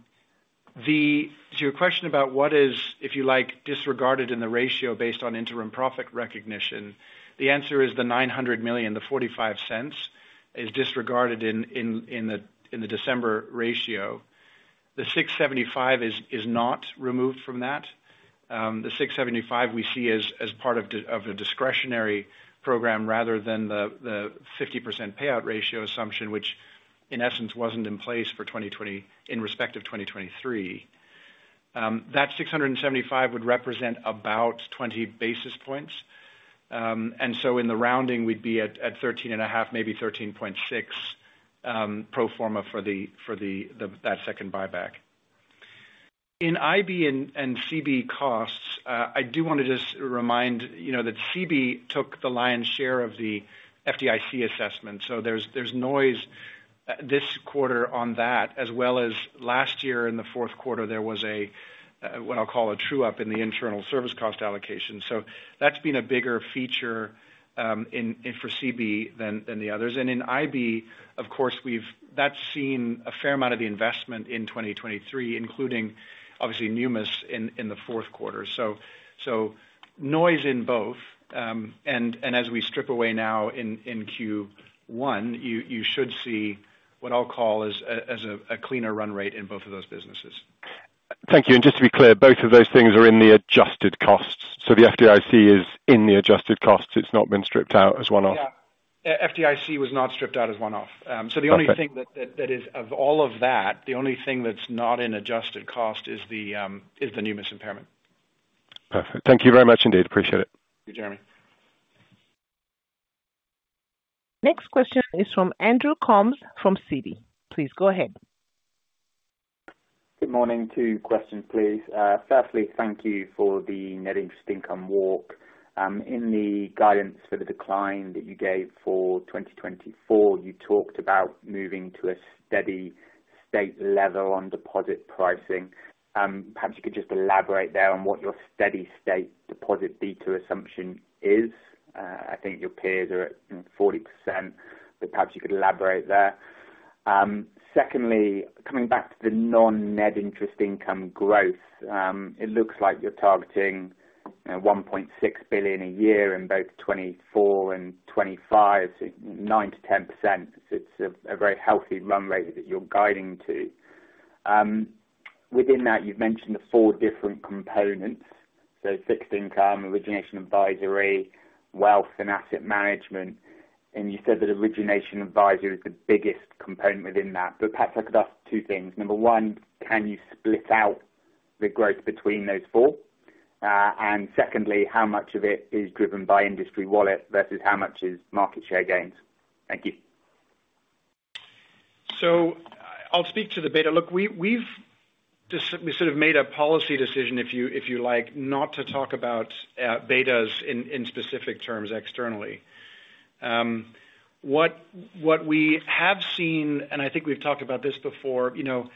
your question about what is, if you like, disregarded in the ratio based on interim profit recognition, the answer is the 900 million, the 0.45 is disregarded in the December ratio. The 675 is not removed from that. The 675 we see as part of of a discretionary program rather than the 50% payout ratio assumption, which in essence, wasn't in place for 2020, in respect of 2023. That 675 would represent about 20 basis points. And so in the rounding, we'd be at 13.5, maybe 13.6, pro forma for the that second buyback. In IB and CB costs, I do wanna just remind, you know, that CB took the lion's share of the FDIC assessment, so there's noise this quarter on that, as well as last year in the fourth quarter, there was a what I'll call a true up in the internal service cost allocation. So that's been a bigger feature in CB than the others. And in IB, of course, that's seen a fair amount of the investment in 2023, including obviously Numis in the fourth quarter. So noise in both, and as we strip away now in Q1, you should see what I'll call a cleaner run rate in both of those businesses. Thank you. Just to be clear, both of those things are in the adjusted costs. The FDIC is in the adjusted costs. It's not been stripped out as one-off?... FDIC was not stripped out as one-off. So the only thing- Okay. That is of all of that, the only thing that's not in adjusted cost is the Numis impairment. Perfect. Thank you very much indeed. Appreciate it. Thank you, Jeremy. Next question is from Andrew Coombs from Citi. Please go ahead. Good morning. Two questions, please. Firstly, thank you for the net interest income walk. In the guidance for the decline that you gave for 2024, you talked about moving to a steady state level on deposit pricing. Perhaps you could just elaborate there on what your steady state deposit beta assumption is. I think your peers are at 40%, but perhaps you could elaborate there. Secondly, coming back to the non-net interest income growth, it looks like you're targeting, you know, 1.6 billion a year in both 2024 and 2025, so 9%-10%. It's a very healthy run rate that you're guiding to. Within that, you've mentioned the four different components, so fixed income, Origination & Advisory, Wealth and Asset Management, and you said that Origination & Advisory is the biggest component within that. But perhaps I could ask two things. Number one, can you split out the growth between those four? And secondly, how much of it is driven by industry wallet versus how much is market share gains? Thank you. So I'll speak to the beta. Look, we've just, we sort of made a policy decision, if you like, not to talk about betas in specific terms externally. What we have seen, and I think we've talked about this before, you know,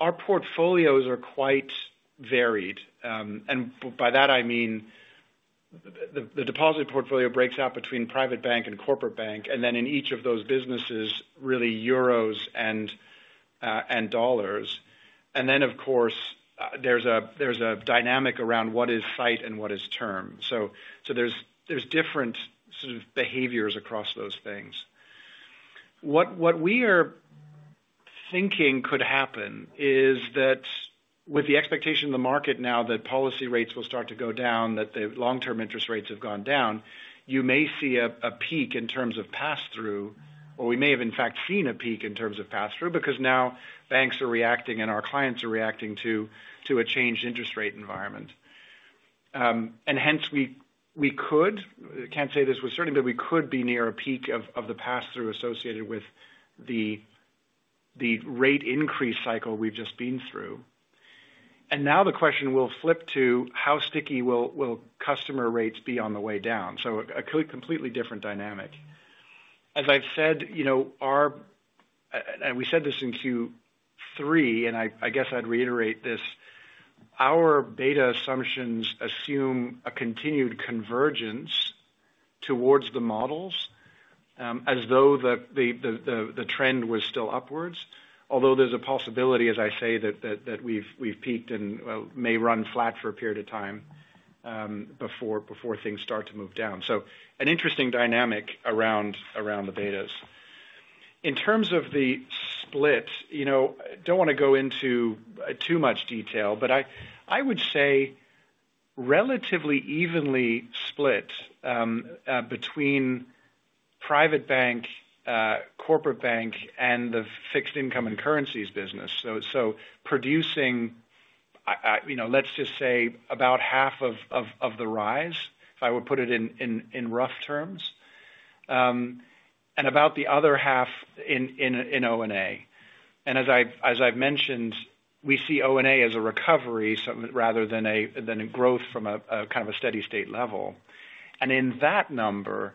our portfolios are quite varied. And by that, I mean, the deposit portfolio breaks out between Private Bank and Corporate Bank, and then in each of those businesses, really euros and dollars. And then, of course, there's a dynamic around what is sight and what is term. So there's different sort of behaviors across those things. What we are thinking could happen is that with the expectation of the market now, that policy rates will start to go down, that the long-term interest rates have gone down, you may see a peak in terms of pass-through, or we may have in fact seen a peak in terms of pass-through, because now banks are reacting and our clients are reacting to a changed interest rate environment. And hence, we can't say this with certainty, but we could be near a peak of the pass-through associated with the rate increase cycle we've just been through. And now the question will flip to how sticky will customer rates be on the way down? So a completely different dynamic. As I've said, you know, our... We said this in Q3, and I guess I'd reiterate this, our beta assumptions assume a continued convergence towards the models, as though the trend was still upwards. Although there's a possibility, as I say, that we've peaked and may run flat for a period of time, before things start to move down. So an interesting dynamic around the betas. In terms of the split, you know, don't wanna go into too much detail, but I would say relatively evenly split between Private Bank, Corporate Bank, and the fixed income and currencies business. So producing, you know, let's just say about half of the rise, if I would put it in rough terms. And about the other half in O&A. And as I've mentioned, we see O&A as a recovery, so rather than a growth from a kind of a steady state level. And in that number,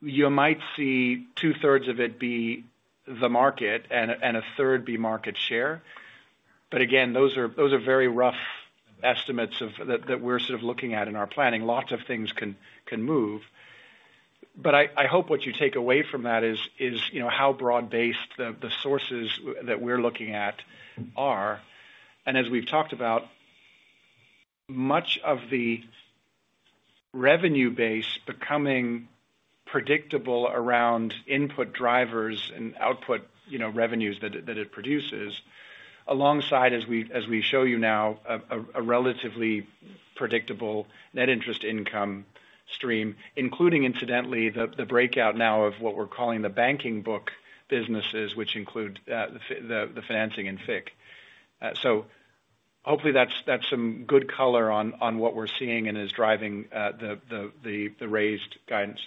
you might see two-thirds of it be the market and a third be market share. But again, those are very rough estimates of that that we're sort of looking at in our planning. Lots of things can move. But I hope what you take away from that is, you know, how broad-based the sources that we're looking at are. As we've talked about, much of the revenue base becoming predictable around input drivers and output, you know, revenues that it produces, alongside, as we show you now, a relatively predictable net interest income stream, including incidentally, the breakout now of what we're calling the banking book businesses, which include the financing and FIC. So hopefully that's some good color on what we're seeing and is driving the raised guidance.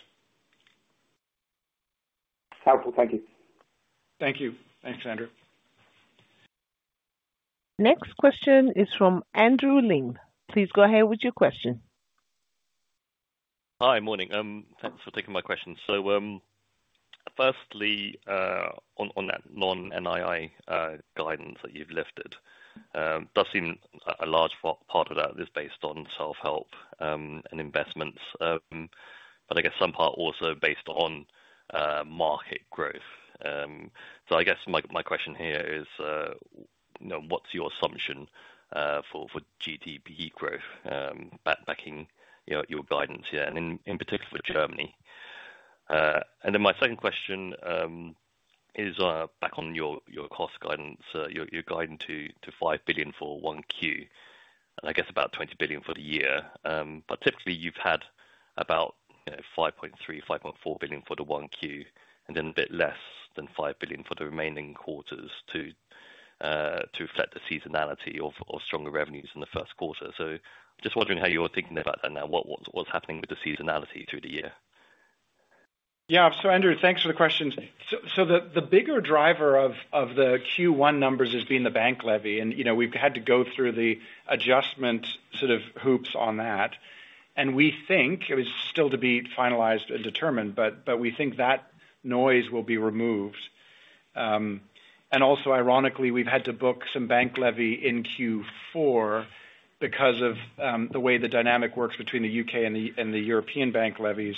Helpful. Thank you. Thank you. Thanks, Andrew. Next question is from Andrew Lim. Please go ahead with your question. Hi. Morning. Thanks for taking my question. So, firstly, on that non-NII guidance that you've lifted, does seem a large part of that is based on self-help and investments, but I guess some part also based on market growth. So I guess my question here is, you know, what's your assumption for GDP growth backing, you know, your guidance here, and in particular for Germany? And then my second question is back on your cost guidance. You're guiding to 5 billion for 1Q, and I guess about 20 billion for the year. But typically you've had about, you know, 5.3-5.4 billion for the 1Q, and then a bit less than 5 billion for the remaining quarters to reflect the seasonality of stronger revenues in the first quarter. So just wondering how you're thinking about that now, what's happening with the seasonality through the year? Yeah. So Andrew, thanks for the question. So the bigger driver of the Q1 numbers has been the bank levy, and, you know, we've had to go through the adjustment sort of hoops on that. And we think it was still to be finalized and determined, but we think that noise will be removed. And also ironically, we've had to book some bank levy in Q4 because of the way the dynamic works between the UK and the European bank levies.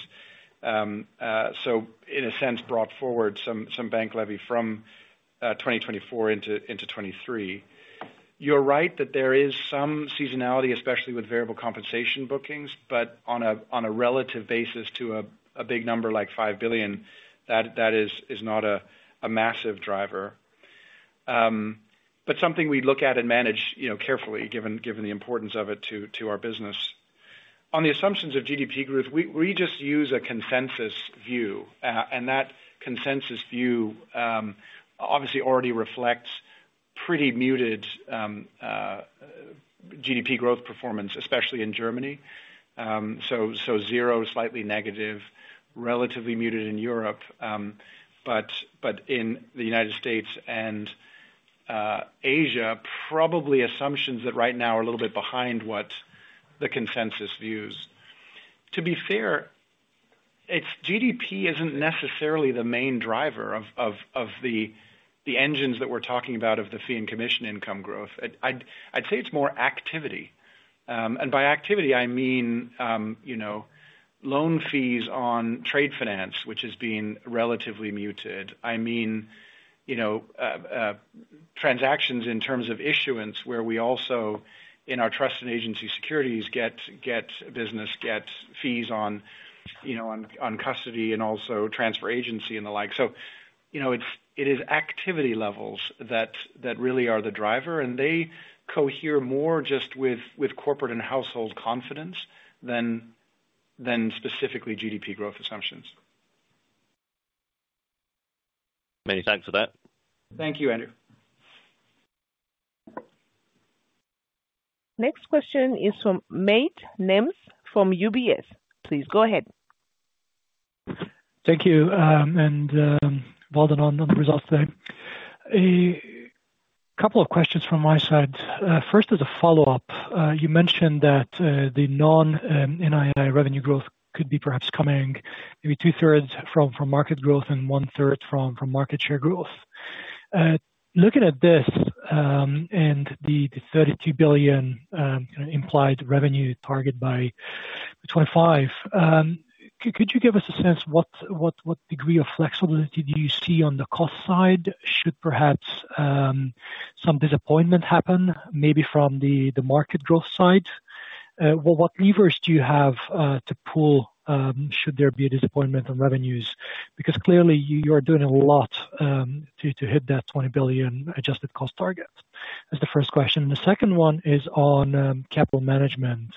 So in a sense, brought forward some bank levy from 2024 into 2023. You're right that there is some seasonality, especially with variable compensation bookings, but on a relative basis to a big number like 5 billion, that is not a massive driver. But something we look at and manage, you know, carefully, given the importance of it to our business. On the assumptions of GDP growth, we just use a consensus view, and that consensus view obviously already reflects pretty muted GDP growth performance, especially in Germany. So zero, slightly negative, relatively muted in Europe, but in the United States and Asia, probably assumptions that right now are a little bit behind what the consensus views. To be fair, it's GDP isn't necessarily the main driver of the engines that we're talking about of the fee and commission income growth. I'd say it's more activity. And by activity, I mean, you know, loan fees on trade finance, which has been relatively muted. I mean, you know, transactions in terms of issuance, where we also, in our trust and agency securities, get business, get fees on, you know, on custody and also transfer agency and the like. So, you know, it's activity levels that really are the driver, and they cohere more just with corporate and household confidence than specifically GDP growth assumptions. Many thanks for that. Thank you, Andrew. Next question is from Mate Nemes, from UBS. Please go ahead. Thank you, and, well done on the results today. A couple of questions from my side. First, as a follow-up, you mentioned that the non-NII revenue growth could be perhaps coming maybe two thirds from market growth and one third from market share growth. Looking at this, and the 32 billion implied revenue target by 2025, could you give us a sense what degree of flexibility do you see on the cost side, should perhaps some disappointment happen, maybe from the market growth side? Well, what levers do you have to pull, should there be a disappointment on revenues? Because clearly you are doing a lot to hit that 20 billion adjusted cost target. That's the first question, and the second one is on capital management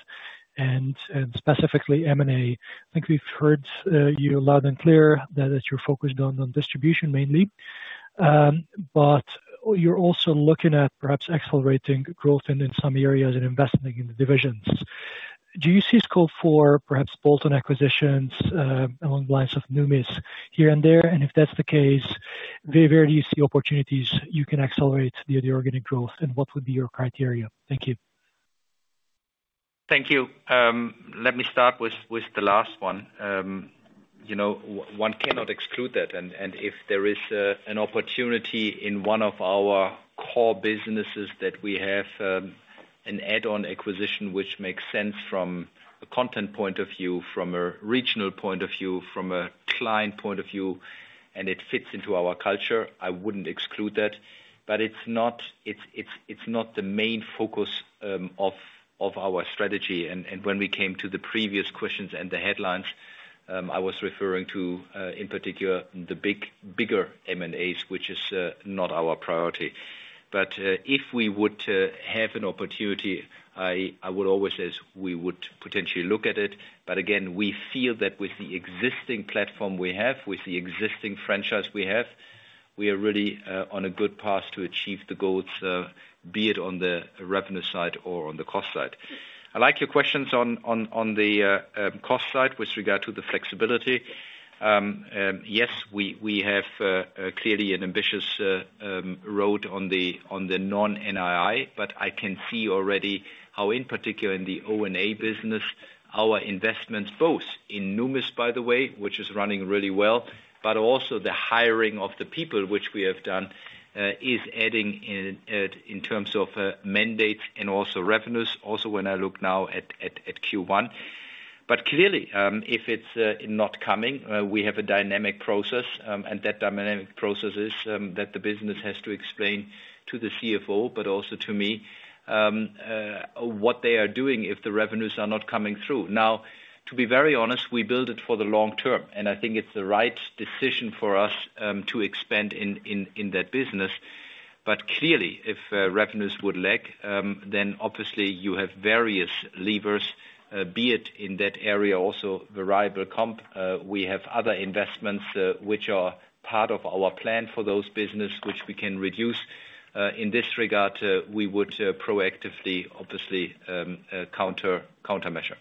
and specifically M&A. I think we've heard you loud and clear that it's you're focused on distribution mainly. But you're also looking at perhaps accelerating growth in some areas and investing in the divisions. Do you see scope for perhaps bolt-on acquisitions along the lines of Numis here and there? And if that's the case, where do you see opportunities you can accelerate the organic growth, and what would be your criteria? Thank you. Thank you. Let me start with the last one. You know, one cannot exclude that, and if there is an opportunity in one of our core businesses that we have an add-on acquisition which makes sense from a content point of view, from a regional point of view, from a client point of view, and it fits into our culture, I wouldn't exclude that, but it's not the main focus of our strategy. And when we came to the previous questions and the headlines, I was referring to, in particular, the bigger M&As, which is not our priority. But if we would have an opportunity, I would always say we would potentially look at it, but again, we feel that with the existing platform we have, with the existing franchise we have, we are really on a good path to achieve the goals, be it on the revenue side or on the cost side. I like your questions on the cost side with regard to the flexibility. Yes, we have clearly an ambitious road on the non-NII, but I can see already how, in particular in the O&A business, our investments, both in Numis, by the way, which is running really well, but also the hiring of the people, which we have done, is adding in, in terms of mandate and also revenues, also, when I look now at Q1. But clearly, if it's not coming, we have a dynamic process, and that dynamic process is that the business has to explain to the CFO, but also to me, what they are doing if the revenues are not coming through. Now, to be very honest, we built it for the long term, and I think it's the right decision for us to expand in that business. But clearly, if revenues would lag, then obviously you have various levers, be it in that area also, variable comp. We have other investments, which are part of our plan for those business, which we can reduce. In this regard, we would proactively, obviously, countermeasure.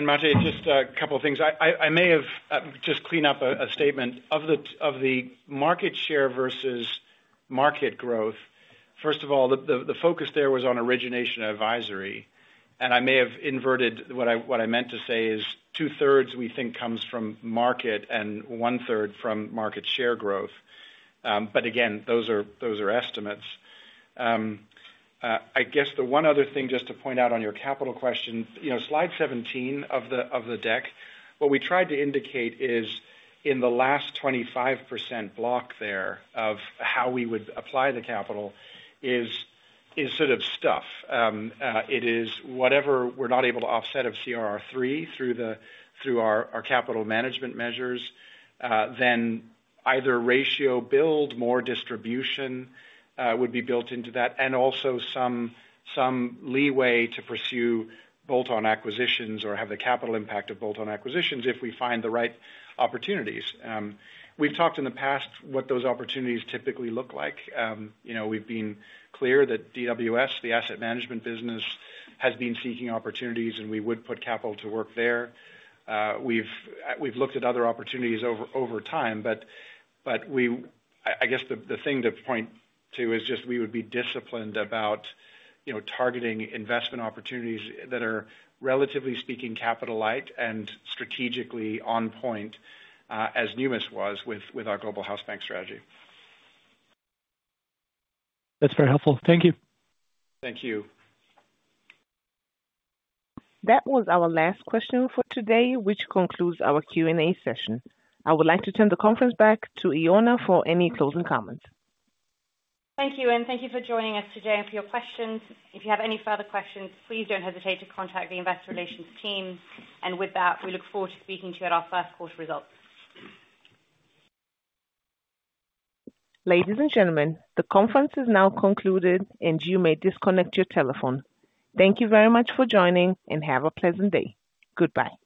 Mate, just a couple of things. I may have just clean up a statement of the market share versus market growth. First of all, the focus there was on Origination & Advisory, and I may have inverted. What I meant to say is 2/3, we think comes from market and 1/3 from market share growth. But again, those are estimates. I guess the one other thing, just to point out on your capital question, you know, slide 17 of the deck, what we tried to indicate is in the last 25% block there of how we would apply the capital is sort of stuff. It is whatever we're not able to offset of CRR3 through our capital management measures, then either ratio build more distribution would be built into that, and also some leeway to pursue bolt-on acquisitions or have the capital impact of bolt-on acquisitions if we find the right opportunities. We've talked in the past what those opportunities typically look like. You know, we've been clear that DWS, the Asset Management business, has been seeking opportunities, and we would put capital to work there. We've looked at other opportunities over time, but we—I guess the thing to point to is just we would be disciplined about, you know, targeting investment opportunities that are, relatively speaking, capital light and strategically on point, as Numis was with our Global Hausbank strategy. That's very helpful. Thank you. Thank you. That was our last question for today, which concludes our Q&A session. I would like to turn the conference back to Ioana for any closing comments. Thank you, and thank you for joining us today and for your questions. If you have any further questions, please don't hesitate to contact the investor relations team. With that, we look forward to speaking to you at our first quarter results. Ladies and gentlemen, the conference is now concluded, and you may disconnect your telephone. Thank you very much for joining, and have a pleasant day. Goodbye.